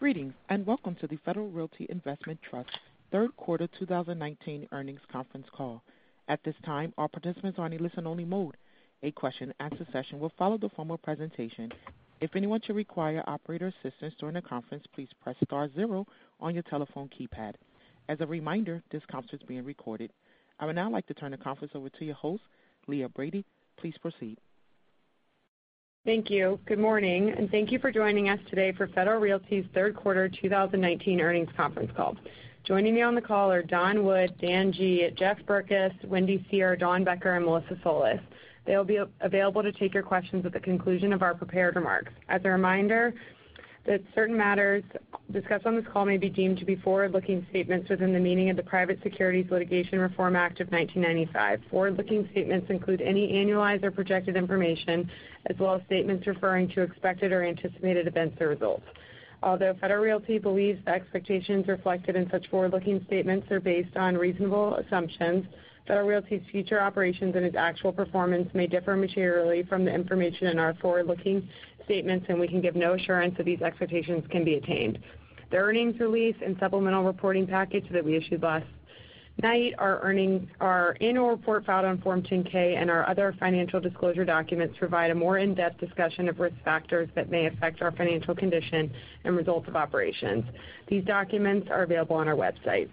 Greetings. Welcome to the Federal Realty Investment Trust third quarter 2019 earnings conference call. At this time, all participants are in a listen-only mode. A question and answer session will follow the formal presentation. If anyone should require operator assistance during the conference, please press star zero on your telephone keypad. As a reminder, this conference is being recorded. I would now like to turn the conference over to your host, Leah Brady. Please proceed. Thank you. Good morning. Thank you for joining us today for Federal Realty's third quarter 2019 earnings conference call. Joining me on the call are Don Wood, Dan Gee, Jeff Berkes, Wendy Seher, Dawn Becker, and Melissa Solis. They'll be available to take your questions at the conclusion of our prepared remarks. As a reminder that certain matters discussed on this call may be deemed to be forward-looking statements within the meaning of the Private Securities Litigation Reform Act of 1995. Forward-looking statements include any annualized or projected information, as well as statements referring to expected or anticipated events or results. Although Federal Realty believes the expectations reflected in such forward-looking statements are based on reasonable assumptions, Federal Realty's future operations and its actual performance may differ materially from the information in our forward-looking statements, and we can give no assurance that these expectations can be attained. The earnings release and supplemental reporting package that we issued last night, our annual report filed on Form 10-K and our other financial disclosure documents provide a more in-depth discussion of risk factors that may affect our financial condition and results of operations. These documents are available on our website.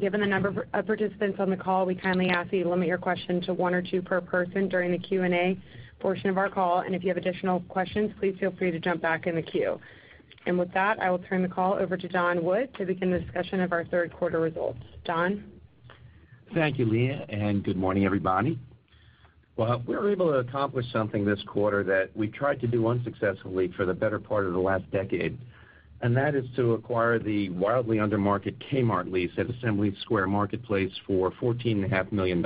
Given the number of participants on the call, we kindly ask that you limit your questions to one or two per person during the Q&A portion of our call. If you have additional questions, please feel free to jump back in the queue. With that, I will turn the call over to Don Wood to begin the discussion of our third quarter results. Don? Thank you, Leah. Good morning, everybody. We were able to accomplish something this quarter that we tried to do unsuccessfully for the better part of the last decade, and that is to acquire the wildly under-market Kmart lease at Assembly Square Marketplace for $14.5 million,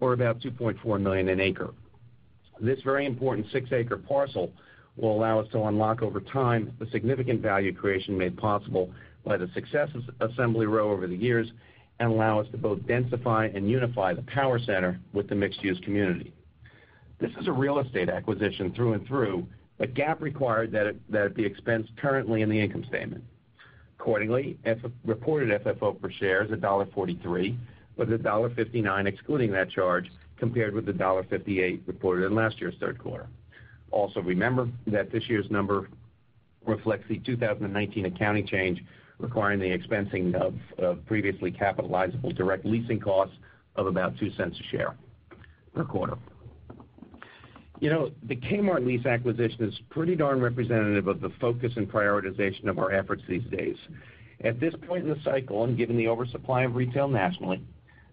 or about $2.4 million an acre. This very important six-acre parcel will allow us to unlock over time the significant value creation made possible by the success of Assembly Row over the years and allow us to both densify and unify the power center with the mixed-use community. This is a real estate acquisition through and through. GAAP required that it be expensed currently in the income statement. Accordingly, reported FFO per share is $1.43, with $1.59 excluding that charge, compared with the $1.58 reported in last year's third quarter. Also remember that this year's number reflects the 2019 accounting change requiring the expensing of previously capitalizable direct leasing costs of about $0.02 a share per quarter. The Kmart lease acquisition is pretty darn representative of the focus and prioritization of our efforts these days. At this point in the cycle, and given the oversupply of retail nationally,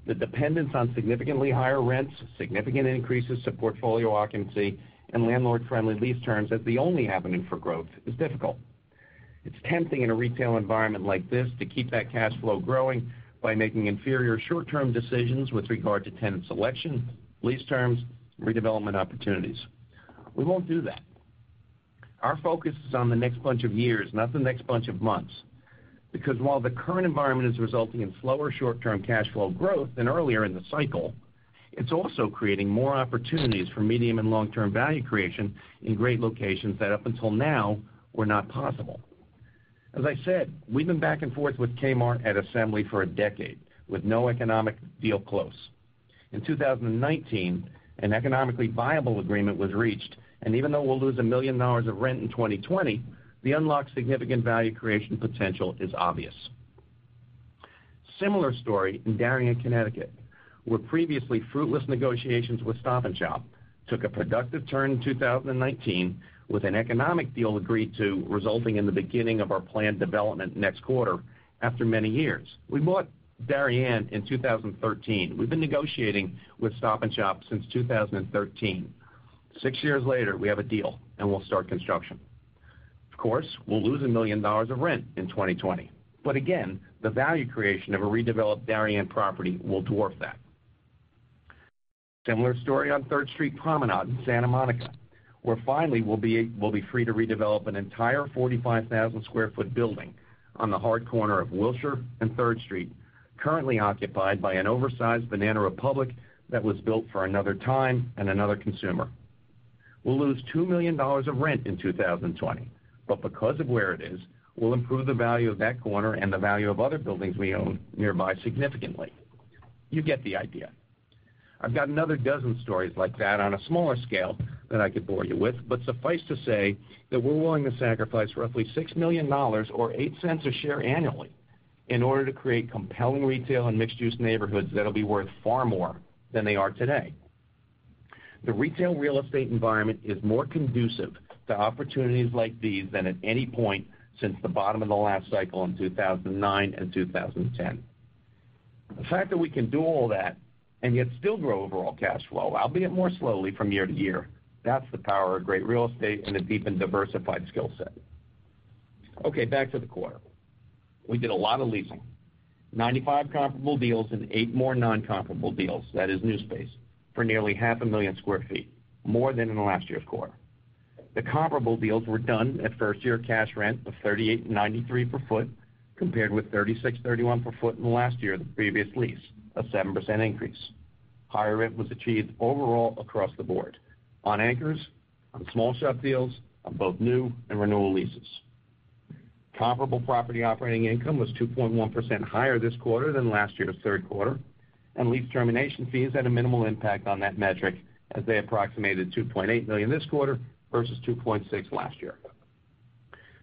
the dependence on significantly higher rents, significant increases to portfolio occupancy, and landlord-friendly lease terms as the only avenue for growth is difficult. It's tempting in a retail environment like this to keep that cash flow growing by making inferior short-term decisions with regard to tenant selection, lease terms, redevelopment opportunities. We won't do that. Our focus is on the next bunch of years, not the next bunch of months. While the current environment is resulting in slower short-term cash flow growth than earlier in the cycle, it's also creating more opportunities for medium and long-term value creation in great locations that up until now were not possible. As I said, we've been back and forth with Kmart at Assembly for a decade with no economic deal close. In 2019, an economically viable agreement was reached, and even though we'll lose $1 million of rent in 2020, the unlocked significant value creation potential is obvious. Similar story in Darien, Connecticut, where previously fruitless negotiations with Stop & Shop took a productive turn in 2019 with an economic deal agreed to resulting in the beginning of our planned development next quarter after many years. We bought Darien in 2013. We've been negotiating with Stop & Shop since 2013. Six years later, we have a deal, and we'll start construction. Of course, we'll lose $1 million of rent in 2020. Again, the value creation of a redeveloped Darien property will dwarf that. Similar story on Third Street Promenade in Santa Monica, where finally we'll be free to redevelop an entire 45,000 sq ft building on the hard corner of Wilshire and Third Street, currently occupied by an oversized Banana Republic that was built for another time and another consumer. We'll lose $2 million of rent in 2020, because of where it is, we'll improve the value of that corner and the value of other buildings we own nearby significantly. You get the idea. I've got another dozen stories like that on a smaller scale that I could bore you with, suffice to say that we're willing to sacrifice roughly $6 million or $0.08 a share annually in order to create compelling retail and mixed-use neighborhoods that'll be worth far more than they are today. The retail real estate environment is more conducive to opportunities like these than at any point since the bottom of the last cycle in 2009 and 2010. The fact that we can do all that yet still grow overall cash flow, albeit more slowly from year-to-year, that's the power of great real estate and a deep and diversified skill set. Okay, back to the quarter. We did a lot of leasing. 95 comparable deals and 8 more non-comparable deals, that is new space, for nearly half a million sq ft, more than in last year's quarter. The comparable deals were done at first year cash rent of $38.93 per foot, compared with $36.31 per foot in the last year of the previous lease, a 7% increase. Higher rent was achieved overall across the board on anchors, on small shop deals, on both new and renewal leases. Comparable property operating income was 2.1% higher this quarter than last year's third quarter, and lease termination fees had a minimal impact on that metric, as they approximated $2.8 million this quarter versus $2.6 million last year.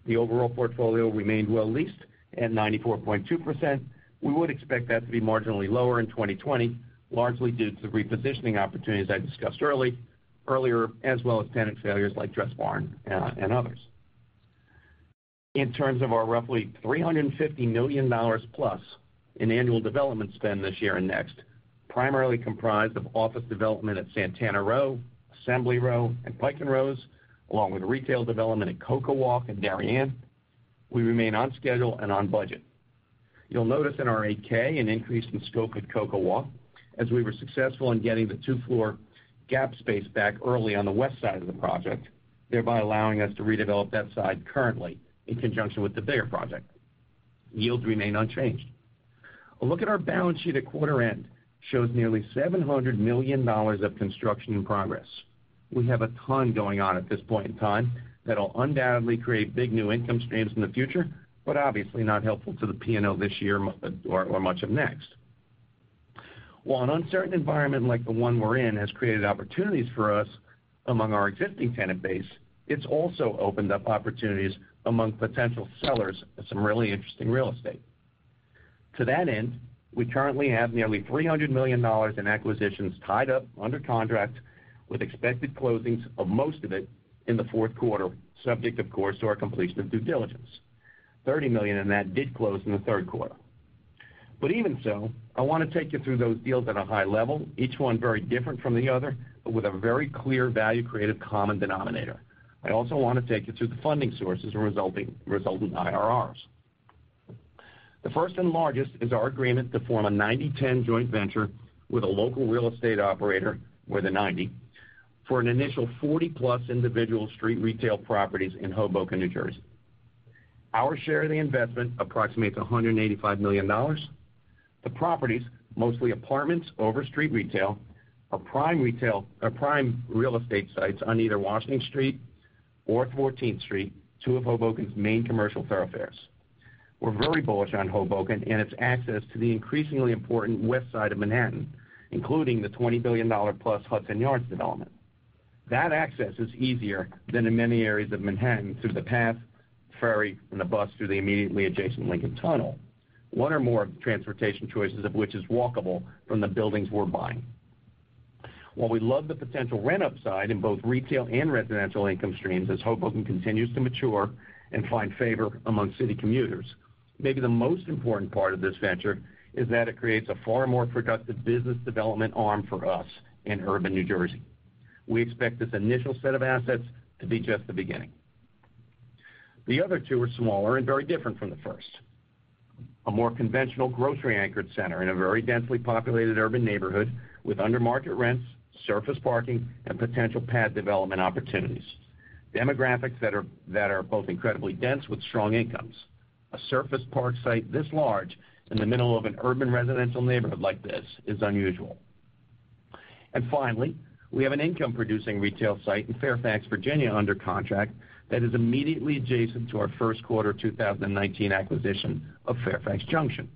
The overall portfolio remained well-leased at 94.2%. We would expect that to be marginally lower in 2020, largely due to the repositioning opportunities I discussed earlier, as well as tenant failures like Dressbarn and others. In terms of our roughly $350 million plus in annual development spend this year and next, primarily comprised of office development at Santana Row, Assembly Row, and Pike & Rose, along with retail development at CocoWalk and Darien, we remain on schedule and on budget. You'll notice in our 8-K an increase in scope at CocoWalk, as we were successful in getting the two-floor Gap space back early on the west side of the project, thereby allowing us to redevelop that side currently in conjunction with the bigger project. Yields remain unchanged. A look at our balance sheet at quarter end shows nearly $700 million of construction in progress. We have a ton going on at this point in time that'll undoubtedly create big new income streams in the future, but obviously not helpful to the P&L this year or much of next. While an uncertain environment like the one we're in has created opportunities for us among our existing tenant base, it's also opened up opportunities among potential sellers of some really interesting real estate. To that end, we currently have nearly $300 million in acquisitions tied up under contract with expected closings of most of it in the fourth quarter, subject, of course, to our completion of due diligence. $30 million in that did close in the third quarter. Even so, I want to take you through those deals at a high level, each one very different from the other, but with a very clear value-creative common denominator. I also want to take you through the funding sources and resultant IRRs. The first and largest is our agreement to form a 90/10 joint venture with a local real estate operator, we're the 90, for an initial 40-plus individual street retail properties in Hoboken, New Jersey. Our share of the investment approximates $185 million. The properties, mostly apartments over street retail, are prime real estate sites on either Washington Street or 14th Street, two of Hoboken's main commercial thoroughfares. We're very bullish on Hoboken and its access to the increasingly important west side of Manhattan, including the $20 billion plus Hudson Yards development. That access is easier than in many areas of Manhattan through the path, ferry, and the bus through the immediately adjacent Lincoln Tunnel. One or more of the transportation choices of which is walkable from the buildings we're buying. While we love the potential rent upside in both retail and residential income streams as Hoboken continues to mature and find favor among city commuters, maybe the most important part of this venture is that it creates a far more productive business development arm for us in urban New Jersey. We expect this initial set of assets to be just the beginning. The other two are smaller and very different from the first. A more conventional grocery-anchored center in a very densely populated urban neighborhood with under-market rents, surface parking, and potential pad development opportunities. Demographics that are both incredibly dense with strong incomes. A surface park site this large in the middle of an urban residential neighborhood like this is unusual. Finally, we have an income-producing retail site in Fairfax, Virginia, under contract that is immediately adjacent to our first quarter 2019 acquisition of Fairfax Junction.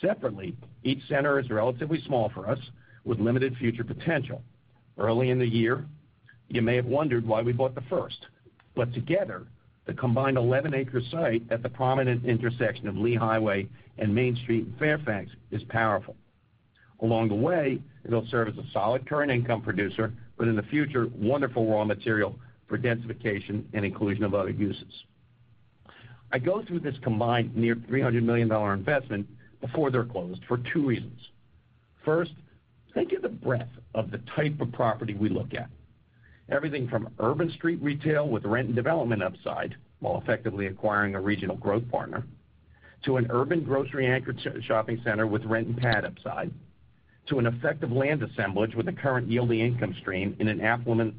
Separately, each center is relatively small for us with limited future potential. Early in the year, you may have wondered why we bought the first, but together, the combined 11-acre site at the prominent intersection of Lee Highway and Main Street in Fairfax is powerful. Along the way, it'll serve as a solid current income producer, but in the future, wonderful raw material for densification and inclusion of other uses. I go through this combined near $300 million investment before they're closed for two reasons. First, think of the breadth of the type of property we look at. Everything from urban street retail with rent and development upside, while effectively acquiring a regional growth partner, to an urban grocery anchor shopping center with rent and pad upside, to an effective land assemblage with a current yielding income stream in an affluent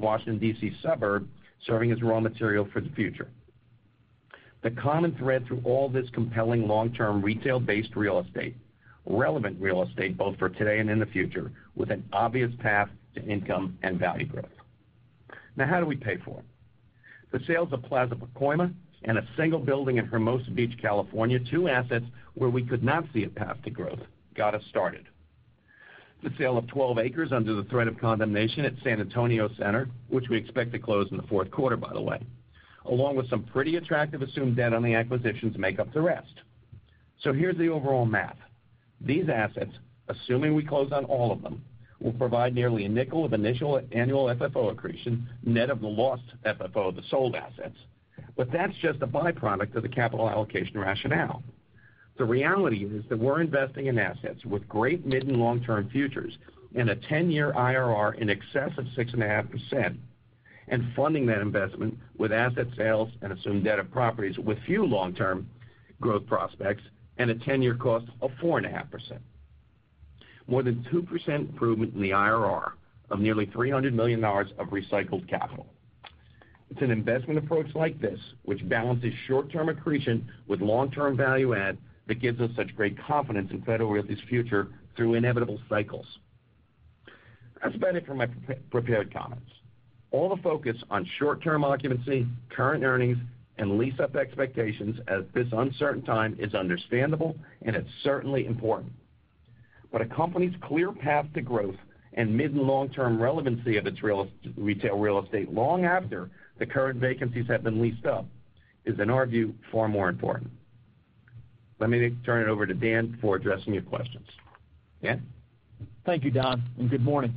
Washington, D.C. suburb serving as raw material for the future. The common thread through all this compelling long-term retail-based real estate, relevant real estate, both for today and in the future, with an obvious path to income and value growth. How do we pay for it? The sales of Plaza Pacoima and a single building in Hermosa Beach, California, two assets where we could not see a path to growth, got us started. The sale of 12 acres under the threat of condemnation at San Antonio Center, which we expect to close in the fourth quarter, by the way, along with some pretty attractive assumed debt on the acquisitions, make up the rest. Here's the overall math. These assets, assuming we close on all of them, will provide nearly a nickel of initial annual FFO accretion, net of the lost FFO of the sold assets. That's just a by-product of the capital allocation rationale. The reality is that we're investing in assets with great mid and long-term futures and a 10-year IRR in excess of 6.5%, and funding that investment with asset sales and assumed debt of properties with few long-term growth prospects and a 10-year cost of 4.5%. More than 2% improvement in the IRR of nearly $300 million of recycled capital. It's an investment approach like this, which balances short-term accretion with long-term value add, that gives us such great confidence in Federal Realty's future through inevitable cycles. That's about it for my prepared comments. All the focus on short-term occupancy, current earnings, and lease-up expectations at this uncertain time is understandable and it's certainly important. A company's clear path to growth and mid and long-term relevancy of its retail real estate long after the current vacancies have been leased up is, in our view, far more important. Let me turn it over to Dan for addressing your questions. Dan? Thank you, Don, and good morning.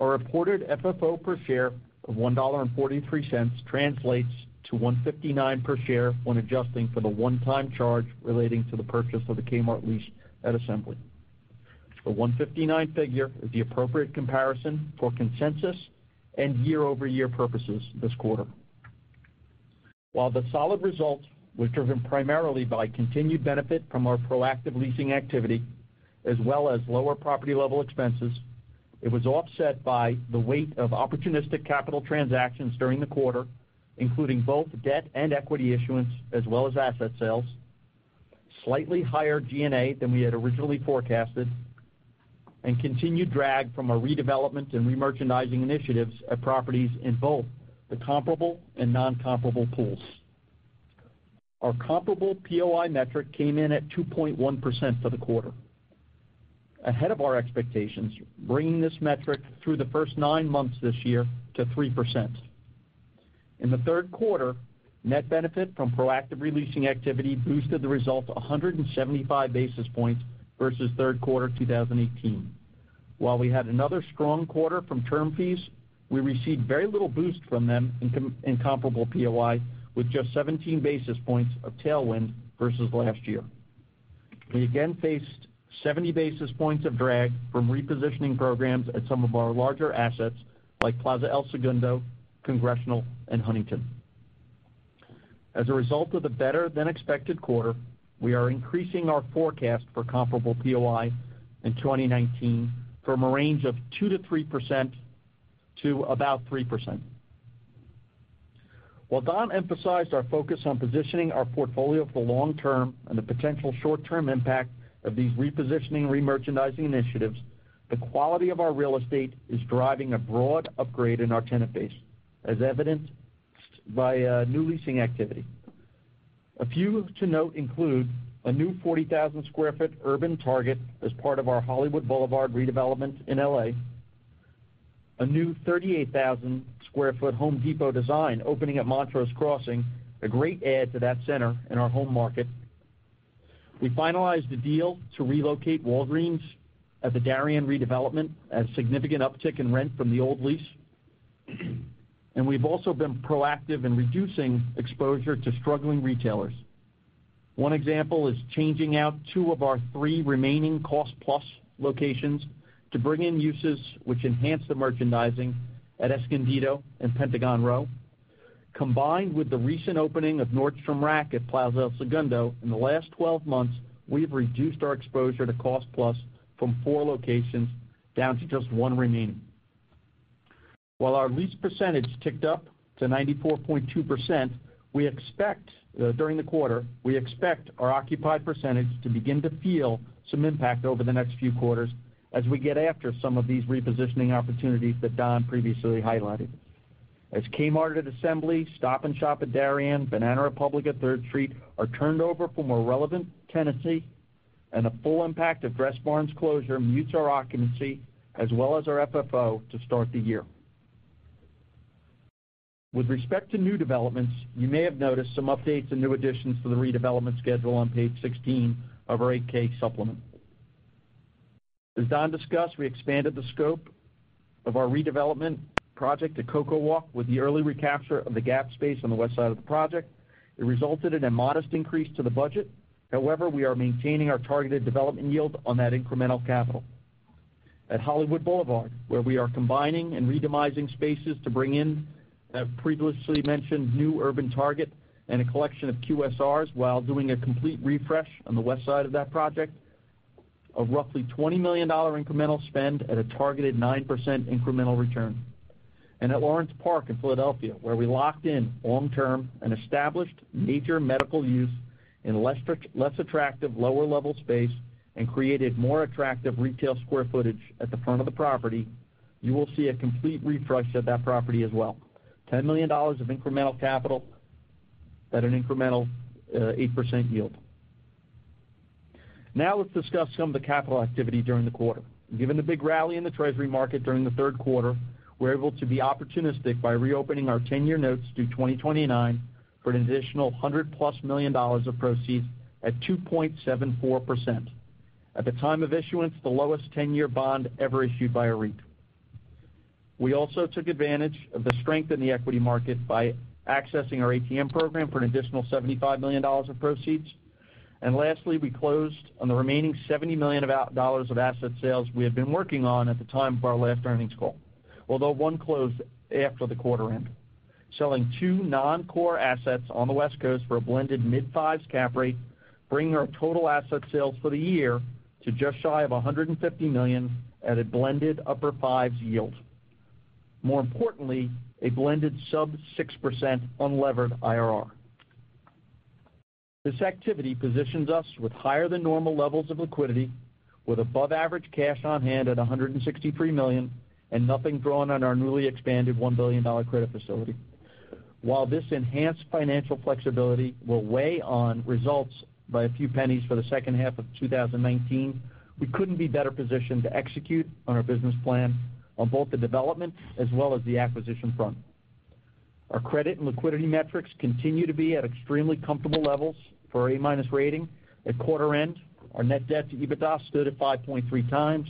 Our reported FFO per share of $1.43 translates to $1.59 per share when adjusting for the one-time charge relating to the purchase of the Kmart lease at Assembly. The $1.59 figure is the appropriate comparison for consensus and year-over-year purposes this quarter. While the solid result was driven primarily by continued benefit from our proactive leasing activity as well as lower property-level expenses, it was offset by the weight of opportunistic capital transactions during the quarter, including both debt and equity issuance, as well as asset sales, slightly higher G&A than we had originally forecasted, and continued drag from our redevelopment and remerchandising initiatives at properties in both the comparable and non-comparable pools. Our comparable POI metric came in at 2.1% for the quarter. Ahead of our expectations, bringing this metric through the first nine months this year to 3%. In the third quarter, net benefit from proactive re-leasing activity boosted the result 175 basis points versus third quarter 2018. We had another strong quarter from term fees, we received very little boost from them in comparable POI, with just 17 basis points of tailwind versus last year. We again faced 70 basis points of drag from repositioning programs at some of our larger assets like Plaza El Segundo, Congressional and Huntington. As a result of the better-than-expected quarter, we are increasing our forecast for comparable POI in 2019 from a range of 2%-3% to about 3%. Don emphasized our focus on positioning our portfolio for the long term and the potential short-term impact of these repositioning and remerchandising initiatives, the quality of our real estate is driving a broad upgrade in our tenant base, as evidenced by new leasing activity. A few to note include a new 40,000 square foot urban Target as part of our Hollywood Boulevard redevelopment in L.A., a new 38,000 square foot Home Depot design opening at Montrose Crossing, a great add to that center in our home market. We finalized the deal to relocate Walgreens at the Darien redevelopment at a significant uptick in rent from the old lease. We've also been proactive in reducing exposure to struggling retailers. One example is changing out two of our three remaining Cost Plus locations to bring in uses which enhance the merchandising at Escondido and Pentagon Row. Combined with the recent opening of Nordstrom Rack at Plaza El Segundo, in the last 12 months, we have reduced our exposure to Cost Plus from four locations down to just one remaining. While our lease percentage ticked up to 94.2% during the quarter, we expect our occupied percentage to begin to feel some impact over the next few quarters as we get after some of these repositioning opportunities that Don previously highlighted. As Kmart at Assembly, Stop & Shop at Darien, Banana Republic at Third Street are turned over for more relevant tenancy and the full impact of Dress Barn's closure mutes our occupancy as well as our FFO to start the year. With respect to new developments, you may have noticed some updates and new additions to the redevelopment schedule on page 16 of our 8-K supplement. As Don discussed, we expanded the scope of our redevelopment project at CocoWalk with the early recapture of the Gap space on the west side of the project. It resulted in a modest increase to the budget. We are maintaining our targeted development yield on that incremental capital. At Hollywood Boulevard, where we are combining and re-demising spaces to bring in that previously mentioned new urban Target and a collection of QSRs while doing a complete refresh on the west side of that project, a roughly $20 million incremental spend at a targeted 9% incremental return. At Lawrence Park in Philadelphia, where we locked in long-term an established major medical use in less attractive lower-level space and created more attractive retail square footage at the front of the property, you will see a complete refresh of that property as well. $10 million of incremental capital at an incremental 8% yield. Let's discuss some of the capital activity during the quarter. Given the big rally in the Treasury market during the third quarter, we were able to be opportunistic by reopening our 10-year notes due 2029 for an additional $100-plus million of proceeds at 2.74%. At the time of issuance, the lowest 10-year bond ever issued by a REIT. Lastly, we also took advantage of the strength in the equity market by accessing our ATM program for an additional $75 million of proceeds. Lastly, we closed on the remaining $70 million of asset sales we had been working on at the time of our last earnings call, although one closed after the quarter end, selling two non-core assets on the West Coast for a blended mid-fives cap rate. Bringing our total asset sales for the year to just shy of $150 million at a blended upper fives yield. More importantly, a blended sub 6% unlevered IRR. This activity positions us with higher than normal levels of liquidity, with above average cash on hand at $163 million, and nothing drawn on our newly expanded $1 billion credit facility. While this enhanced financial flexibility will weigh on results by a few pennies for the second half of 2019, we couldn't be better positioned to execute on our business plan on both the development as well as the acquisition front. Our credit and liquidity metrics continue to be at extremely comfortable levels for A-minus rating. At quarter end, our net debt to EBITDA stood at 5.3 times.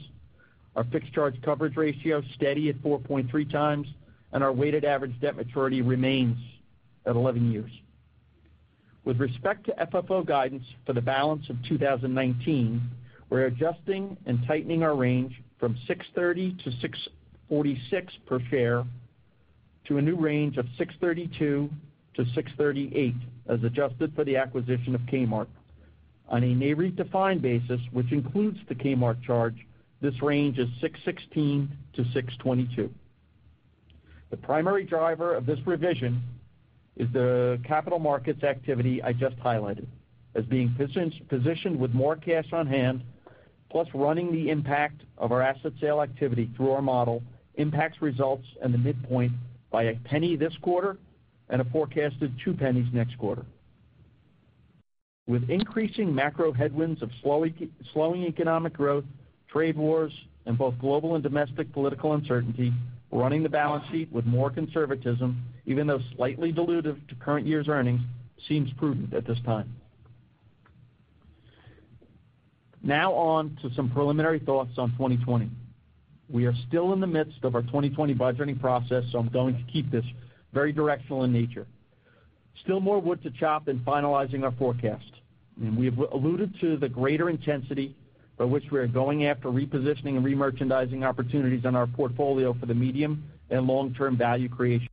Our fixed charge coverage ratio steady at 4.3 times, and our weighted average debt maturity remains at 11 years. With respect to FFO guidance for the balance of 2019, we're adjusting and tightening our range from $6.30-$6.46 per share to a new range of $6.32-$6.38, as adjusted for the acquisition of Kmart. On a NAREIT defined basis, which includes the Kmart charge, this range is $6.16-$6.22. The primary driver of this revision is the capital markets activity I just highlighted. Being positioned with more cash on hand, plus running the impact of our asset sale activity through our model, impacts results and the midpoint by $0.01 this quarter and a forecasted $0.02 next quarter. With increasing macro headwinds of slowing economic growth, trade wars, and both global and domestic political uncertainty, running the balance sheet with more conservatism, even though slightly dilutive to current year's earnings, seems prudent at this time. On to some preliminary thoughts on 2020. We are still in the midst of our 2020 budgeting process, so I'm going to keep this very directional in nature. Still more wood to chop in finalizing our forecast. We have alluded to the greater intensity by which we are going after repositioning and remerchandising opportunities on our portfolio for the medium and long-term value creation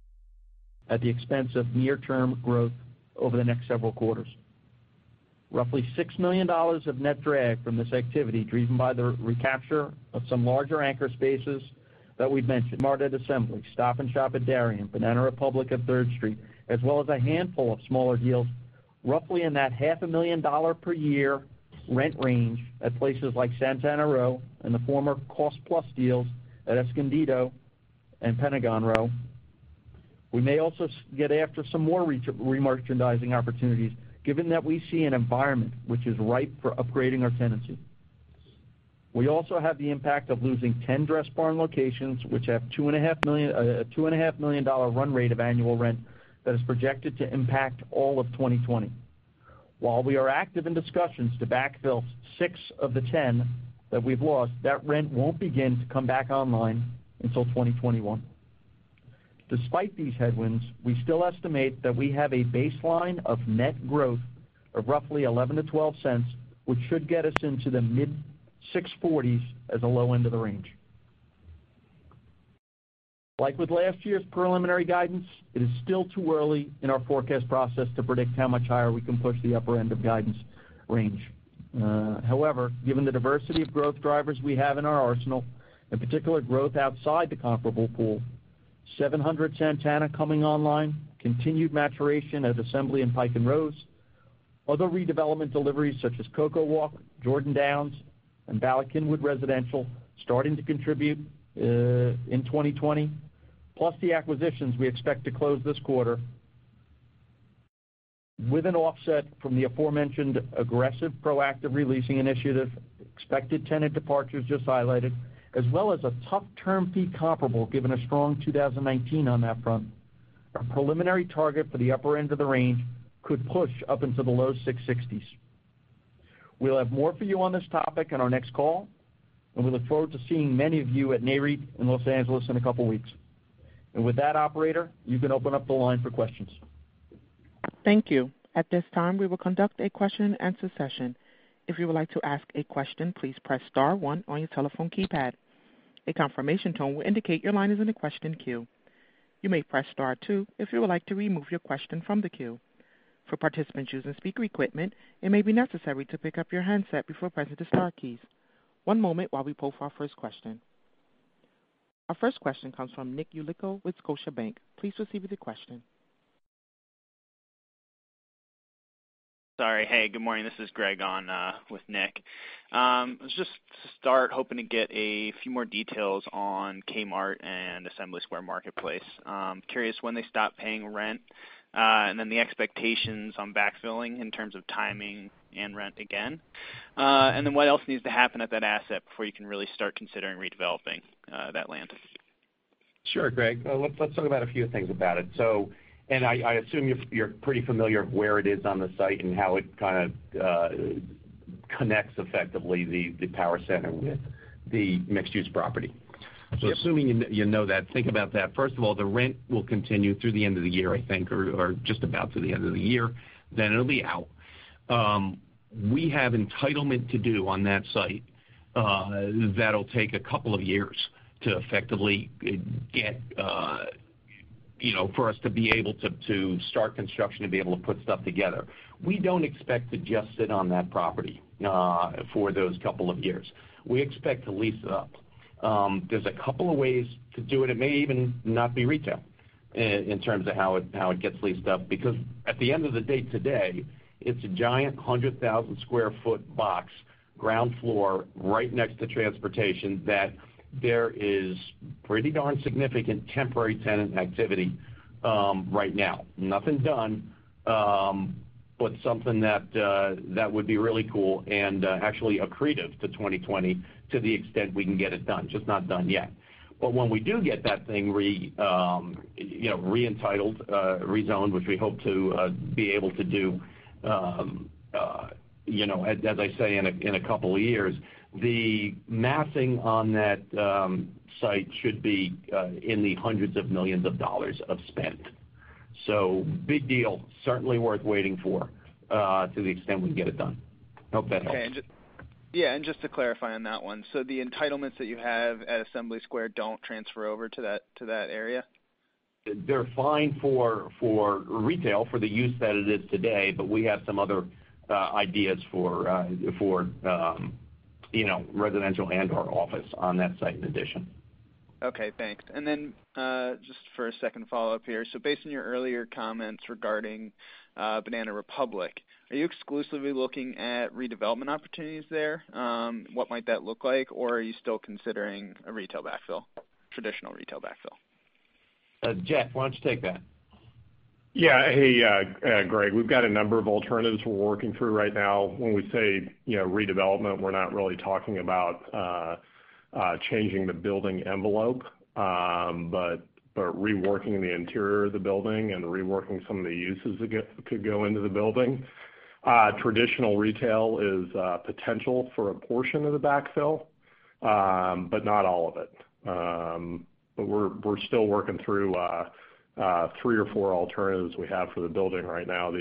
at the expense of near-term growth over the next several quarters. Roughly $6 million of net drag from this activity, driven by the recapture of some larger anchor spaces that we've mentioned, Kmart at Assembly, Stop & Shop at Darien, Banana Republic at Third Street, as well as a handful of smaller deals, roughly in that half a million dollar per year rent range at places like Santana Row and the former Cost Plus deals at Escondido and Pentagon Row. We may also get after some more remerchandising opportunities, given that we see an environment which is ripe for upgrading our tenancy. We also have the impact of losing 10 Dressbarn locations, which have a $2.5 million run rate of annual rent that is projected to impact all of 2020. While we are active in discussions to backfill six of the 10 that we've lost, that rent won't begin to come back online until 2021. Despite these headwinds, we still estimate that we have a baseline of net growth of roughly $0.11-$0.12, which should get us into the mid $6.40s as a low end of the range. Like with last year's preliminary guidance, it is still too early in our forecast process to predict how much higher we can push the upper end of guidance range. Given the diversity of growth drivers we have in our arsenal, in particular, growth outside the comparable pool, 700 Santana coming online, continued maturation at Assembly in Pike & Rose. Other redevelopment deliveries such as CocoWalk, Jordan Downs, and Bala Cynwyd Residential starting to contribute in 2020. The acquisitions we expect to close this quarter. With an offset from the aforementioned aggressive proactive leasing initiative, expected tenant departures just highlighted, as well as a tough term fee comparable given a strong 2019 on that front. Our preliminary target for the upper end of the range could push up into the low 660s. We'll have more for you on this topic on our next call, and we look forward to seeing many of you at NAREIT in Los Angeles in a couple of weeks. With that, operator, you can open up the line for questions. Thank you. At this time, we will conduct a question and answer session. If you would like to ask a question, please press star one on your telephone keypad. A confirmation tone will indicate your line is in the question queue. You may press star two if you would like to remove your question from the queue. For participants using speaker equipment, it may be necessary to pick up your handset before pressing the star keys. One moment while we poll for our first question. Our first question comes from Nick Yulico with Scotiabank. Please proceed with your question. Sorry. Hey, good morning. This is Greg on with Nick. Just to start, hoping to get a few more details on Kmart and Assembly Square Marketplace. Curious when they stop paying rent, then the expectations on backfilling in terms of timing and rent again. Then what else needs to happen at that asset before you can really start considering redeveloping that land? Sure, Greg. Let's talk about a few things about it. I assume you're pretty familiar where it is on the site and how it kind of connects effectively the power center with the mixed-use property. Yep. Assuming you know that, think about that. First of all, the rent will continue through the end of the year, I think, or just about through the end of the year, then it'll be out. We have entitlement to do on that site that'll take a couple of years to effectively get. For us to be able to start construction, to be able to put stuff together. We don't expect to just sit on that property for those couple of years. We expect to lease it up. There's a couple of ways to do it. It may even not be retail in terms of how it gets leased up, because at the end of the day today, it's a giant 100,000 square foot box, ground floor, right next to transportation, that there is pretty darn significant temporary tenant activity right now. Nothing done, but something that would be really cool and actually accretive to 2020 to the extent we can get it done. Just not done yet. When we do get that thing re-entitled, rezoned, which we hope to be able to do, as I say, in a couple of years, the massing on that site should be in the $hundreds of millions of spend. Big deal, certainly worth waiting for, to the extent we can get it done. Hope that helps. Okay. Yeah, just to clarify on that one, the entitlements that you have at Assembly Square don't transfer over to that area? They're fine for retail, for the use that it is today, but we have some other ideas for residential and/or office on that site in addition. Okay, thanks. Just for a second follow-up here. Based on your earlier comments regarding Banana Republic, are you exclusively looking at redevelopment opportunities there? What might that look like? Are you still considering a traditional retail backfill? Jeff, why don't you take that? Hey, Greg. We've got a number of alternatives we're working through right now. When we say, "redevelopment," we're not really talking about changing the building envelope, but reworking the interior of the building and reworking some of the uses that could go into the building. Traditional retail is a potential for a portion of the backfill, but not all of it. We're still working through three or four alternatives we have for the building right now.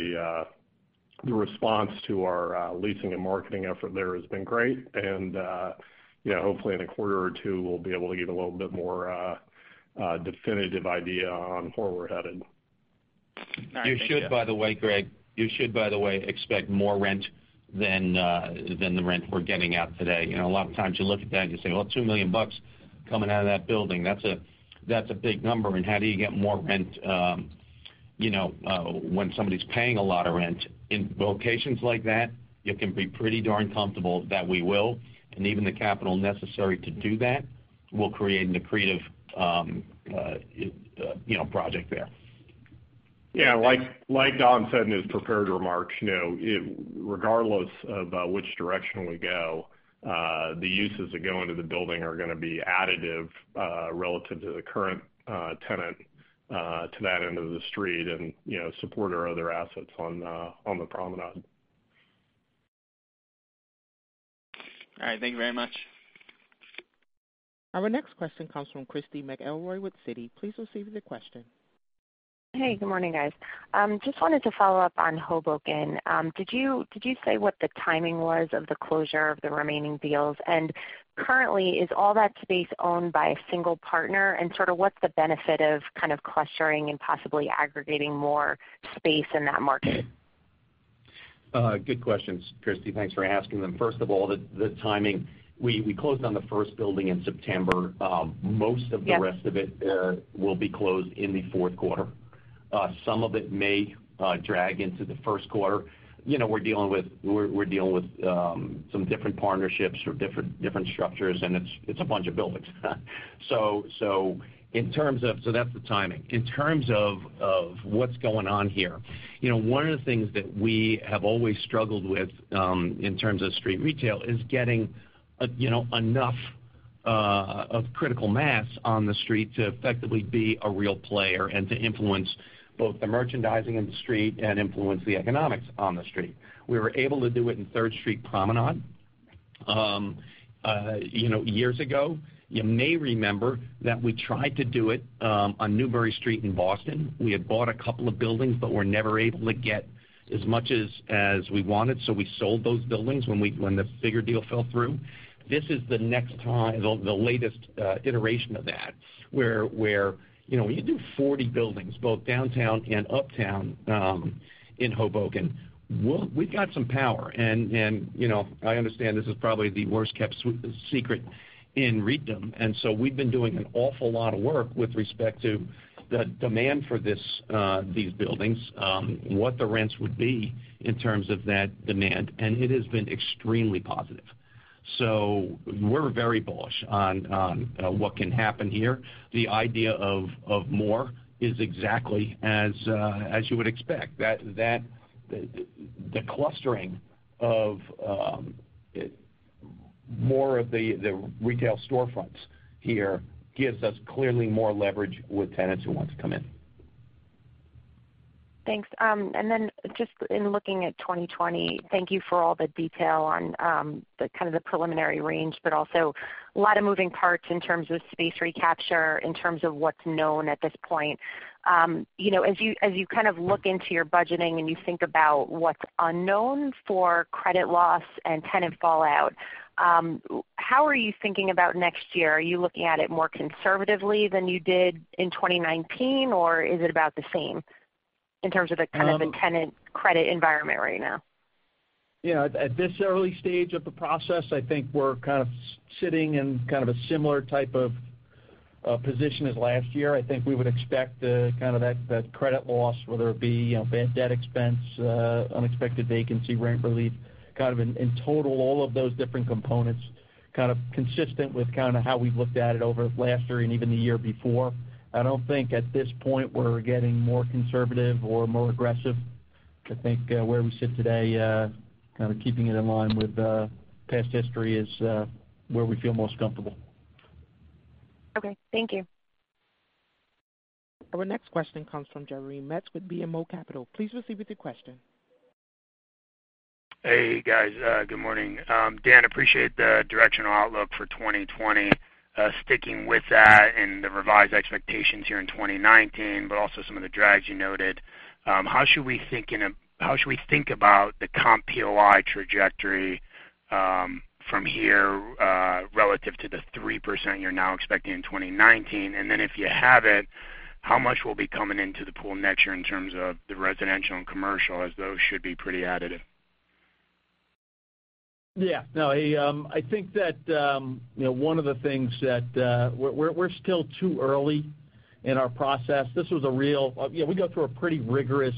The response to our leasing and marketing effort there has been great. Hopefully in a quarter or two, we'll be able to give a little bit more definitive idea on where we're headed. All right. Thank you. You should, by the way, Greg, expect more rent than the rent we're getting out today. A lot of times you look at that and you say, "Well, $2 million bucks coming out of that building, that's a big number, and how do you get more rent when somebody's paying a lot of rent?" In locations like that, you can be pretty darn comfortable that we will, and even the capital necessary to do that will create an accretive project there. Yeah, like Don said in his prepared remarks, regardless of which direction we go, the uses that go into the building are going to be additive relative to the current tenant to that end of the street, and support our other assets on the promenade. All right. Thank you very much. Our next question comes from Christy McElroy with Citi. Please proceed with your question. Hey. Good morning, guys. Just wanted to follow up on Hoboken. Did you say what the timing was of the closure of the remaining deals? Currently, is all that space owned by a single partner, and what's the benefit of kind of clustering and possibly aggregating more space in that market? Good questions, Christy. Thanks for asking them. First of all, the timing. We closed on the first building in September. Yep. Most of the rest of it will be closed in the fourth quarter. Some of it may drag into the first quarter. We're dealing with some different partnerships or different structures, and it's a bunch of buildings. That's the timing. In terms of what's going on here, one of the things that we have always struggled with in terms of street retail is getting enough of critical mass on the street to effectively be a real player and to influence both the merchandising in the street and influence the economics on the street. We were able to do it in Third Street Promenade years ago. You may remember that we tried to do it on Newbury Street in Boston. We had bought a couple of buildings, but were never able to get as much as we wanted, so we sold those buildings when the bigger deal fell through. This is the latest iteration of that, where when you do 40 buildings, both downtown and uptown in Hoboken, we've got some power. I understand this is probably the worst-kept secret in REITdom. We've been doing an awful lot of work with respect to the demand for these buildings, what the rents would be in terms of that demand. It has been extremely positive. We're very bullish on what can happen here. The idea of more is exactly as you would expect, that the clustering of more of the retail storefronts here gives us clearly more leverage with tenants who want to come in. Thanks. Just in looking at 2020, thank you for all the detail on kind of the preliminary range, but also a lot of moving parts in terms of space recapture, in terms of what's known at this point. As you kind of look into your budgeting and you think about what's unknown for credit loss and tenant fallout, how are you thinking about next year? Are you looking at it more conservatively than you did in 2019, or is it about the same? In terms of the kind of the tenant credit environment right now. Yeah. At this early stage of the process, I think we're kind of sitting in kind of a similar type of position as last year. I think we would expect the kind of that credit loss, whether it be bad debt expense, unexpected vacancy, rent relief, kind of in total, all of those different components, kind of consistent with kind of how we've looked at it over last year and even the year before. I don't think at this point we're getting more conservative or more aggressive. I think where we sit today, kind of keeping it in line with past history is where we feel most comfortable. Okay. Thank you. Our next question comes from Jeremy Metz with BMO Capital. Please proceed with your question. Hey, guys. Good morning. Dan, appreciate the directional outlook for 2020. Sticking with that and the revised expectations here in 2019, but also some of the drags you noted. How should we think about the comp POI trajectory from here relative to the 3% you're now expecting in 2019? If you have it, how much will be coming into the pool next year in terms of the residential and commercial, as those should be pretty additive? Yeah. No, I think that one of the things that we're still too early in our process. We go through a pretty rigorous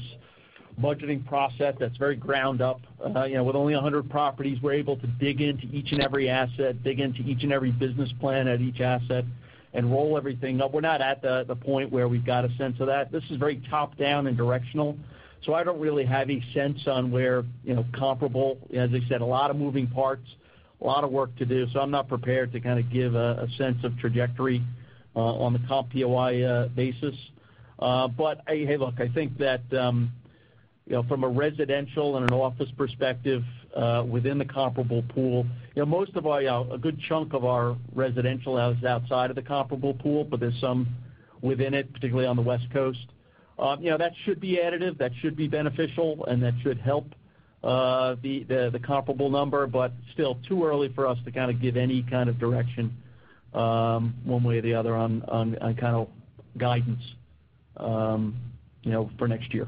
budgeting process that's very ground up. With only 100 properties, we're able to dig into each and every asset, dig into each and every business plan at each asset and roll everything up. We're not at the point where we've got a sense of that. This is very top-down and directional, so I don't really have a sense on where comparable, as I said, a lot of moving parts, a lot of work to do. I'm not prepared to kind of give a sense of trajectory on the comp POI basis. Hey, look, I think that from a residential and an office perspective within the comparable pool, a good chunk of our residential house is outside of the comparable pool, but there's some within it, particularly on the West Coast. That should be additive, that should be beneficial, and that should help the comparable number. Still too early for us to kind of give any kind of direction one way or the other on kind of guidance for next year.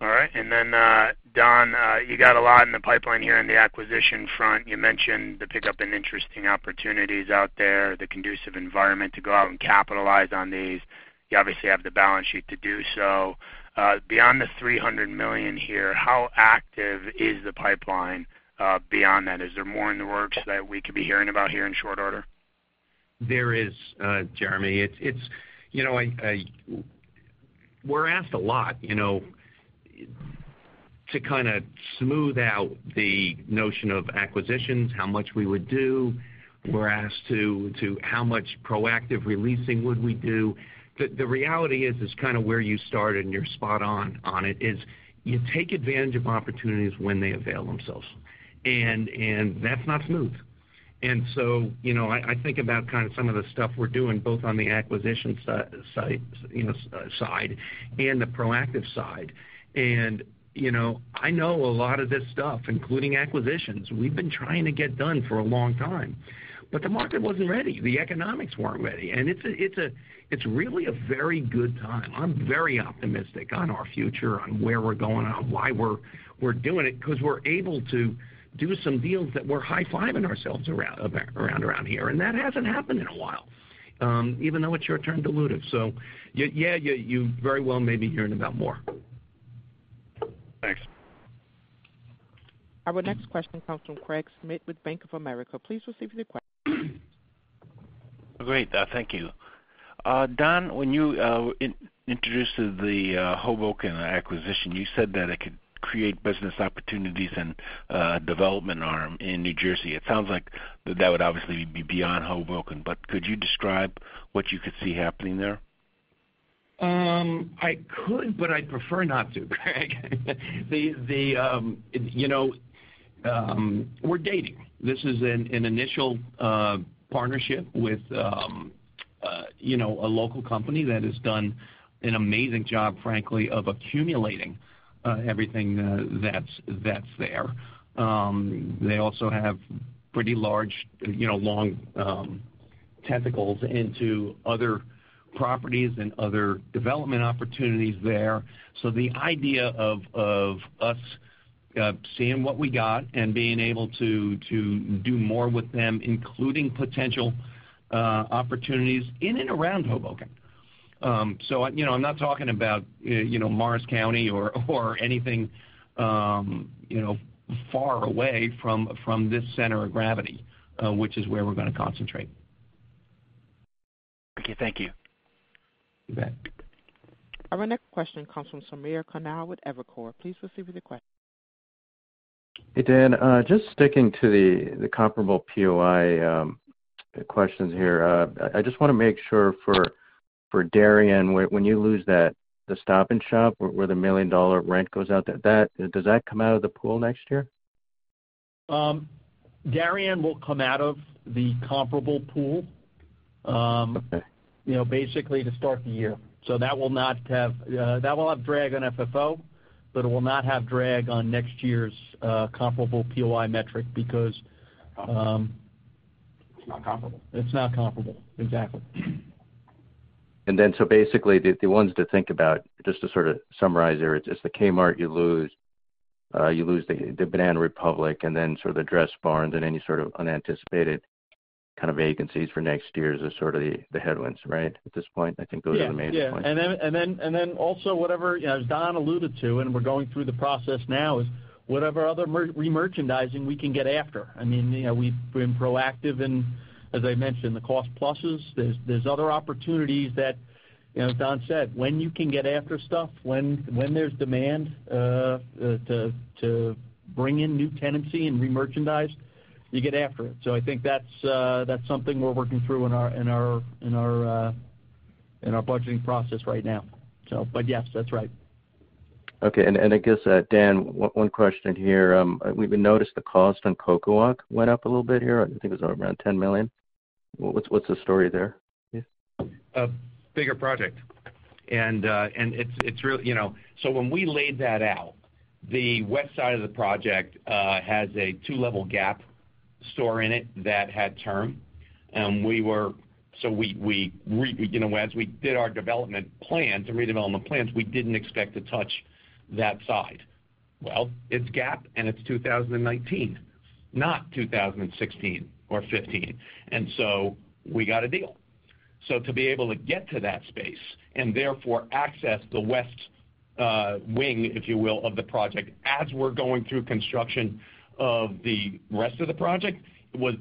All right. Don, you got a lot in the pipeline here in the acquisition front. You mentioned the pickup in interesting opportunities out there, the conducive environment to go out and capitalize on these. You obviously have the balance sheet to do so. Beyond the $300 million here, how active is the pipeline beyond that? Is there more in the works that we could be hearing about here in short order? There is, Jeremy. We're asked a lot to kind of smooth out the notion of acquisitions, how much we would do. We're asked to how much proactive releasing would we do. The reality is kind of where you started, and you're spot on it, is you take advantage of opportunities when they avail themselves. That's not smooth. I think about kind of some of the stuff we're doing both on the acquisition side and the proactive side. I know a lot of this stuff, including acquisitions, we've been trying to get done for a long time, but the market wasn't ready, the economics weren't ready, and it's really a very good time. I'm very optimistic on our future, on where we're going, on why we're doing it, because we're able to do some deals that we're high-fiving ourselves around here, and that hasn't happened in a while, even though it's return dilutive. Yeah, you very well may be hearing about more. Thanks. Our next question comes from Craig Scwith Bank of America. Please proceed with your question. Great. Thank you. Don, when you introduced the Hoboken acquisition, you said that it could create business opportunities and development arm in New Jersey. It sounds like that would obviously be beyond Hoboken, but could you describe what you could see happening there? I could, but I'd prefer not to, Craig. We're dating. This is an initial partnership with a local company that has done an amazing job, frankly, of accumulating everything that's there. They also have pretty large, long tentacles into other properties and other development opportunities there. The idea of us seeing what we got and being able to do more with them, including potential opportunities in and around Hoboken. I'm not talking about Morris County or anything far away from this center of gravity, which is where we're going to concentrate. Okay. Thank you. You bet. Our next question comes from Samir Khanal with Evercore. Please proceed with your question. Hey, Dan. Just sticking to the comparable POI questions here. I just want to make sure for Darien, when you lose that Stop & Shop where the $1 million rent goes out, does that come out of the pool next year? Darien will come out of the comparable pool. Okay basically to start the year. That will have drag on FFO, but it will not have drag on next year's comparable POI metric because. Okay It's not comparable. It's not comparable, exactly. Basically, the ones to think about, just to sort of summarize there, it's the Kmart you lose, you lose the Banana Republic, and then sort of the Dressbarns, and any sort of unanticipated kind of vacancies for next year is sort of the headwinds, right, at this point, I think those are the main points. Yeah. Also whatever, as Don alluded to, and we're going through the process now, is whatever other remerchandising we can get after. We've been proactive in, as I mentioned, the Cost Pluses. There's other opportunities that, as Don said, when you can get after stuff, when there's demand to bring in new tenancy and remerchandise, you get after it. I think that's something we're working through in our budgeting process right now. Yes, that's right. Okay, I guess, Dan, one question here. We've noticed the cost on CocoWalk went up a little bit here. I think it was around $10 million. What's the story there? A bigger project. When we laid that out, the west side of the project has a two-level Gap store in it that had term. As we did our development plan, the redevelopment plans, we didn't expect to touch that side. It's Gap, and it's 2019, not 2016 or 2015. We got a deal. To be able to get to that space, and therefore access the west wing, if you will, of the project as we're going through construction of the rest of the project,